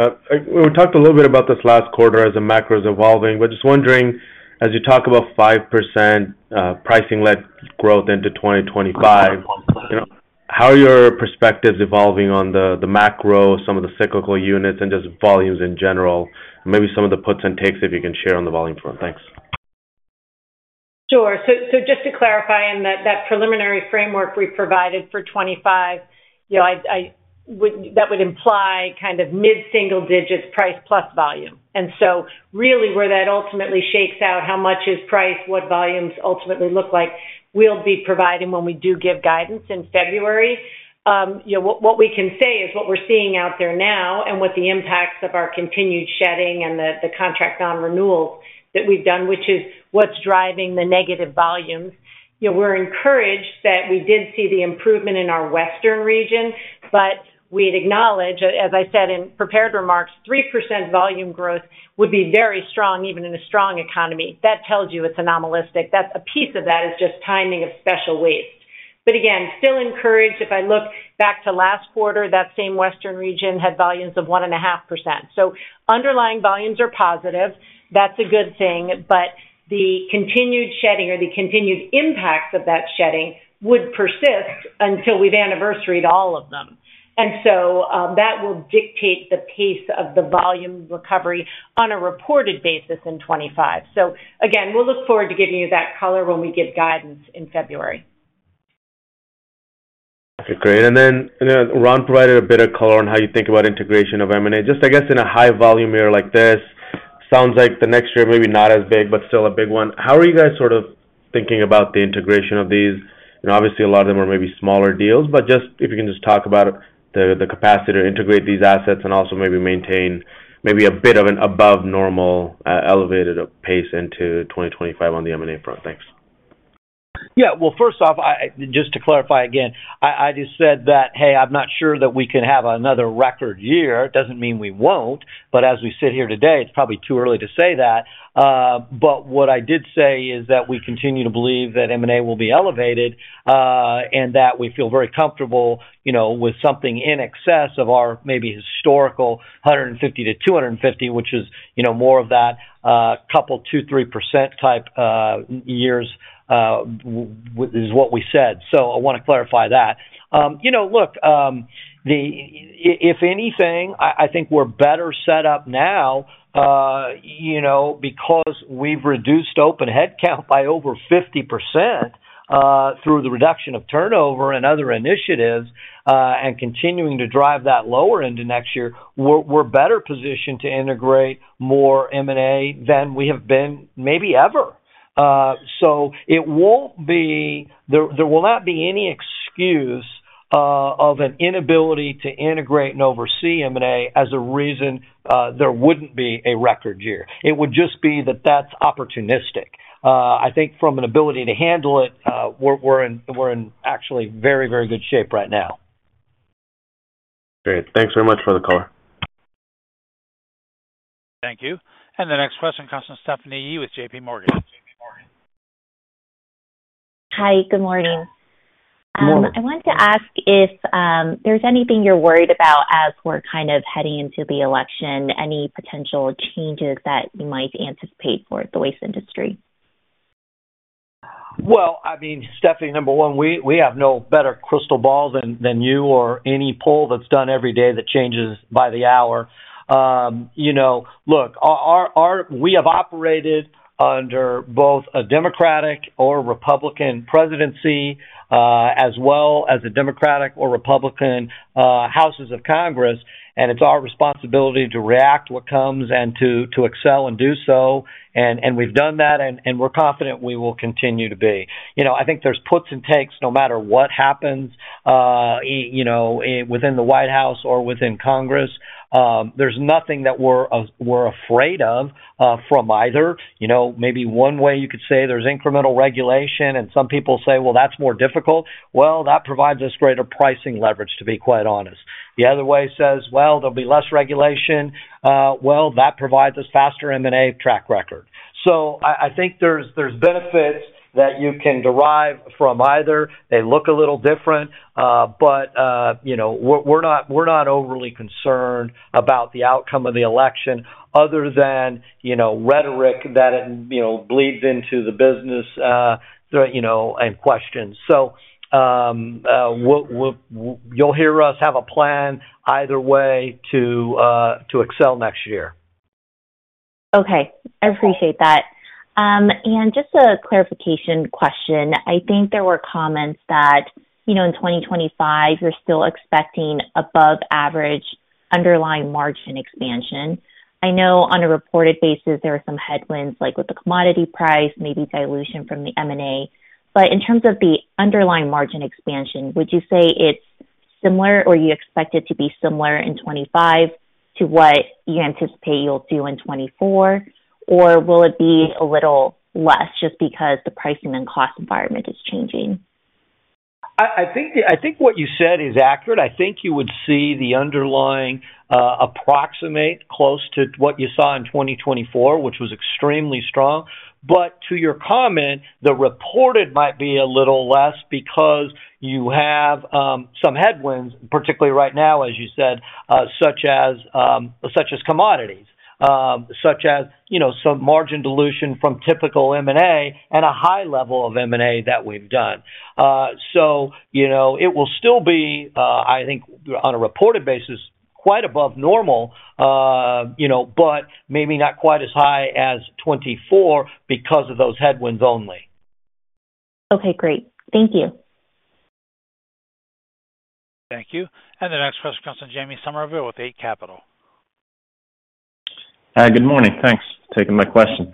We talked a little bit about this last quarter as the macro is evolving, but just wondering, as you talk about 5%, pricing-led growth into 2025, you know, how are your perspectives evolving on the, the macro, some of the cyclical units, and just volumes in general? Maybe some of the puts and takes, if you can share on the volume front. Thanks. Sure. So just to clarify, that preliminary framework we provided for 2025, you know, that would imply kind of mid-single digits price plus volume. And so really, where that ultimately shakes out, how much is price, what volumes ultimately look like, we'll be providing when we do give guidance in February. You know, what we can say is what we're seeing out there now and the impacts of our continued shedding and the contract nonrenewals that we've done, which is what's driving the negative volumes. You know, we're encouraged that we did see the improvement in our Western region, but we'd acknowledge, as I said in prepared remarks, 3% volume growth would be very strong, even in a strong economy. That tells you it's anomalous. That's a piece of that is just timing of special waste. But again, still encouraged. If I look back to last quarter, that same Western Region had volumes of 1.5%. So underlying volumes are positive. That's a good thing, but the continued shedding or the continued impacts of that shedding would persist until we've anniversaried all of them. And so, that will dictate the pace of the volume recovery on a reported basis in 2025. So again, we'll look forward to giving you that color when we give guidance in February. Okay, great. And then, and then Ron provided a bit of color on how you think about integration of M&A. Just I guess, in a high volume year like this, sounds like the next year, maybe not as big, but still a big one. How are you guys sort of thinking about the integration of these? You know, obviously, a lot of them are maybe smaller deals, but just if you can just talk about the capacity to integrate these assets and also maybe maintain maybe a bit of an above normal, elevated pace into 2025 on the M&A front. Thanks. Yeah. Well, first off, just to clarify again, I just said that, hey, I'm not sure that we can have another record year. It doesn't mean we won't, but as we sit here today, it's probably too early to say that. But what I did say is that we continue to believe that M&A will be elevated, and that we feel very comfortable, you know, with something in excess of our maybe historical hundred and fifty to two hundred and fifty, which is, you know, more of that couple, two, 3% type years is what we said. So I wanna clarify that. You know, look, if anything, I think we're better set up now, you know, because we've reduced open headcount by over 50%, through the reduction of turnover and other initiatives, and continuing to drive that lower into next year, we're better positioned to integrate more M&A than we have been, maybe ever. So it won't be. There will not be any excuse of an inability to integrate and oversee M&A as a reason there wouldn't be a record year. It would just be that that's opportunistic. I think from an ability to handle it, we're in actually very, very good shape right now. Great. Thanks very much for the call. ...Thank you. And the next question comes from Stephanie Yee with J.P. Morgan. Hi, good morning. Good morning. I wanted to ask if there's anything you're worried about as we're kind of heading into the election, any potential changes that you might anticipate for the waste industry? I mean, Stephanie, number one, we have no better crystal ball than you or any poll that's done every day that changes by the hour. You know, look, we have operated under both a Democratic or Republican presidency, as well as a Democratic or Republican Houses of Congress, and it's our responsibility to react what comes and to excel and do so, and we've done that, and we're confident we will continue to be. You know, I think there's puts and takes, no matter what happens, you know, within the White House or within Congress. There's nothing that we're afraid of from either. You know, maybe one way you could say there's incremental regulation, and some people say, "Well, that's more difficult." Well, that provides us greater pricing leverage, to be quite honest. The other way says, "Well, there'll be less regulation." Well, that provides us faster M&A track record. So I think there's benefits that you can derive from either. They look a little different, but you know, we're not overly concerned about the outcome of the election other than, you know, rhetoric that, you know, bleeds into the business, you know, and questions. So we'll you'll hear us have a plan either way to to excel next year. Okay. I appreciate that, and just a clarification question: I think there were comments that, you know, in 2025, you're still expecting above average underlying margin expansion. I know on a reported basis, there are some headwinds, like with the commodity price, maybe dilution from the M&A. But in terms of the underlying margin expansion, would you say it's similar, or you expect it to be similar in 2025 to what you anticipate you'll do in 2024? Or will it be a little less just because the pricing and cost environment is changing? I think what you said is accurate. I think you would see the underlying, approximate close to what you saw in 2024, which was extremely strong. But to your comment, the reported might be a little less because you have, some headwinds, particularly right now, as you said, such as, such as commodities, such as, you know, some margin dilution from typical M&A and a high level of M&A that we've done. So you know, it will still be, I think, on a reported basis, quite above normal, you know, but maybe not quite as high as 2024 because of those headwinds only. Okay, great. Thank you. Thank you. And the next question comes from Jamie Somerville with Eight Capital. Good morning. Thanks for taking my question.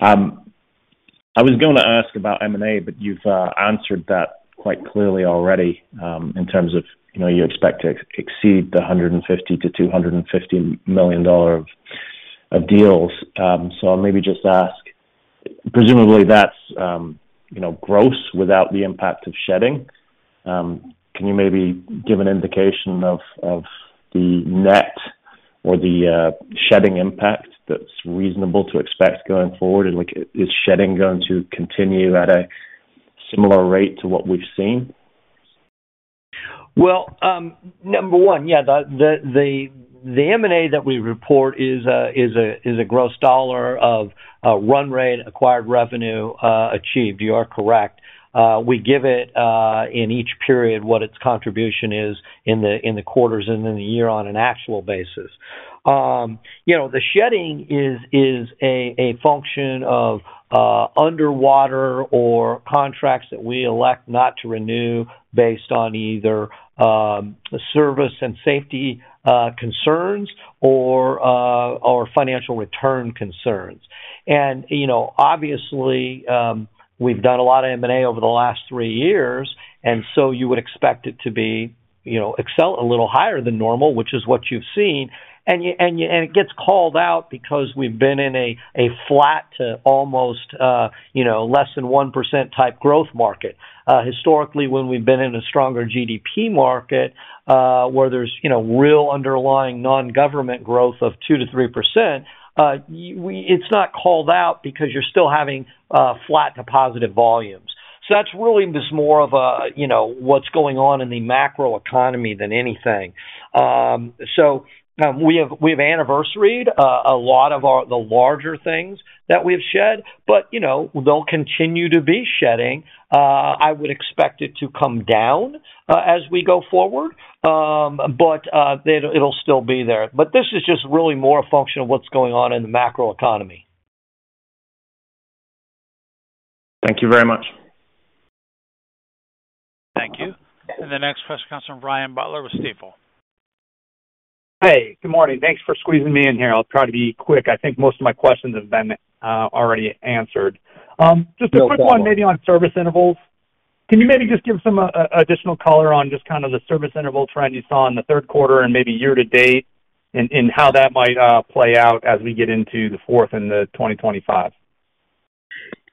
I was gonna ask about M&A, but you've answered that quite clearly already, in terms of, you know, you expect to exceed the $150-$250 million of deals. So I'll maybe just ask, presumably that's, you know, gross without the impact of shedding. Can you maybe give an indication of the net or the shedding impact that's reasonable to expect going forward? And, like, is shedding going to continue at a similar rate to what we've seen? Number one, yeah, the M&A that we report is a gross dollar of run rate, acquired revenue, achieved. You are correct. We give it in each period, what its contribution is in the quarters and in the year on an actual basis. You know, the shedding is a function of underwater contracts that we elect not to renew based on either service and safety concerns or financial return concerns. You know, obviously, we've done a lot of M&A over the last three years, and so you would expect it to be, you know, exceed a little higher than normal, which is what you've seen. It gets called out because we've been in a flat to almost, you know, less than 1% type growth market. Historically, when we've been in a stronger GDP market, where there's, you know, real underlying non-government growth of 2%-3%, it's not called out because you're still having flat to positive volumes. That's really just more of a, you know, what's going on in the macroeconomy than anything. So, we have, we've anniversaried a lot of our, the larger things that we've shed, but, you know, we'll continue to be shedding. I would expect it to come down as we go forward, but it'll still be there. This is just really more a function of what's going on in the macroeconomy. Thank you very much. Thank you. And the next question comes from Brian Butler with Stifel. Hey, good morning. Thanks for squeezing me in here. I'll try to be quick. I think most of my questions have been already answered. Just a quick one maybe on service intervals. Can you maybe just give some additional color on just kind of the service interval trend you saw in the third quarter and maybe year to date, and how that might play out as we get into the fourth and the 2025?...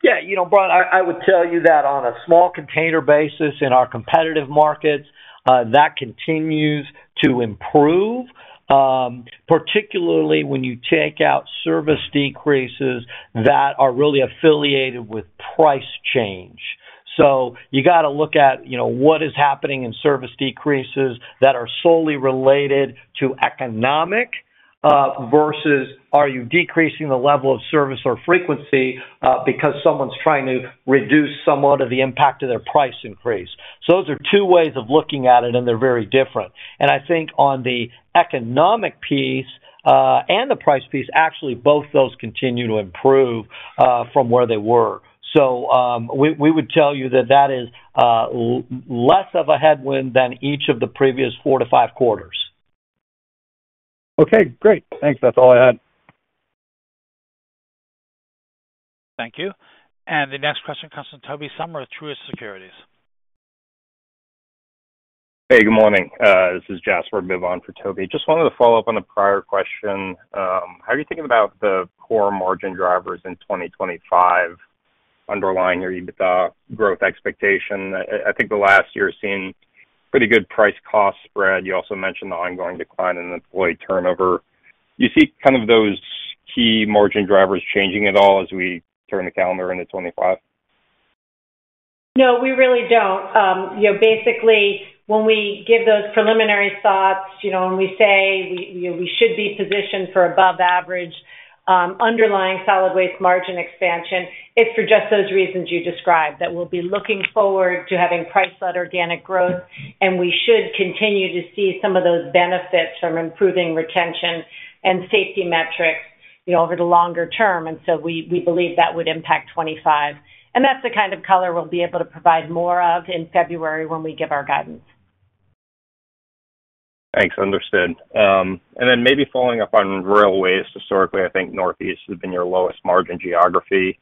Yeah, you know, Brian, I would tell you that on a small container basis in our competitive markets, that continues to improve, particularly when you take out service decreases that are really affiliated with price change. So you got to look at, you know, what is happening in service decreases that are solely related to economic, versus are you decreasing the level of service or frequency, because someone's trying to reduce somewhat of the impact of their price increase? So those are two ways of looking at it, and they're very different. And I think on the economic piece, and the price piece, actually, both those continue to improve, from where they were. So, we would tell you that that is, less of a headwind than each of the previous four to five quarters. Okay, great. Thanks. That's all I had. Thank you. And the next question comes from Toby Sommer of Truist Securities. Hey, good morning. This is Jasper Bibb for Toby. Just wanted to follow up on the prior question. How are you thinking about the core margin drivers in 2025 underlying your EBITDA growth expectation? I think the last year has seen pretty good price-cost spread. You also mentioned the ongoing decline in employee turnover. You see kind of those key margin drivers changing at all as we turn the calendar into 2025? No, we really don't. You know, basically, when we give those preliminary thoughts, you know, when we say we, you know, we should be positioned for above average underlying solid waste margin expansion, it's for just those reasons you described, that we'll be looking forward to having price-led organic growth, and we should continue to see some of those benefits from improving retention and safety metrics, you know, over the longer term. And so we believe that would impact 2025. And that's the kind of color we'll be able to provide more of in February when we give our guidance. Thanks. Understood. And then maybe following up on railways, historically, I think Northeast has been your lowest margin geography.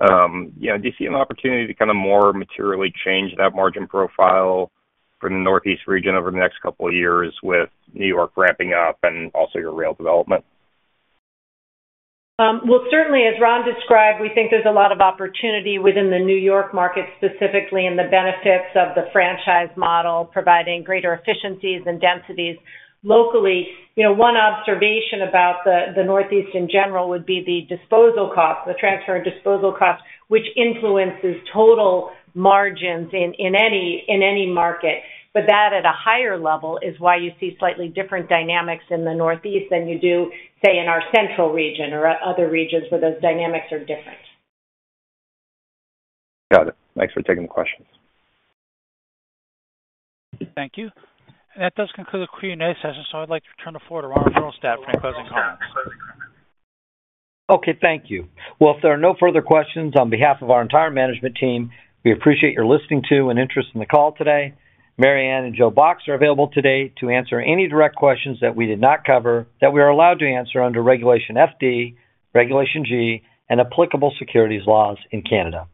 You know, do you see an opportunity to kind of more materially change that margin profile for the Northeast region over the next couple of years with New York ramping up and also your rail development? Well, certainly, as Ron described, we think there's a lot of opportunity within the New York market, specifically in the benefits of the franchise model, providing greater efficiencies and densities locally. You know, one observation about the Northeast in general would be the disposal costs, the transfer and disposal costs, which influences total margins in any market. But that at a higher level is why you see slightly different dynamics in the Northeast than you do, say, in our central region or other regions, where those dynamics are different. Got it. Thanks for taking the questions. Thank you. And that does conclude the Q&A session, so I'd like to turn the floor to Ron Mittelstaedt's staff for any closing comments. Okay, thank you. Well, if there are no further questions, on behalf of our entire management team, we appreciate your listening to and interest in the call today. Mary Anne and Joe Box are available today to answer any direct questions that we did not cover, that we are allowed to answer under Regulation FD, Regulation G, and applicable securities laws in Canada.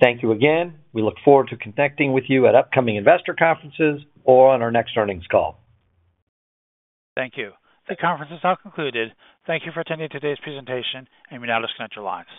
Thank you again. We look forward to connecting with you at upcoming investor conferences or on our next earnings call. Thank you. The conference is now concluded. Thank you for attending today's presentation, and we now disconnect your lines.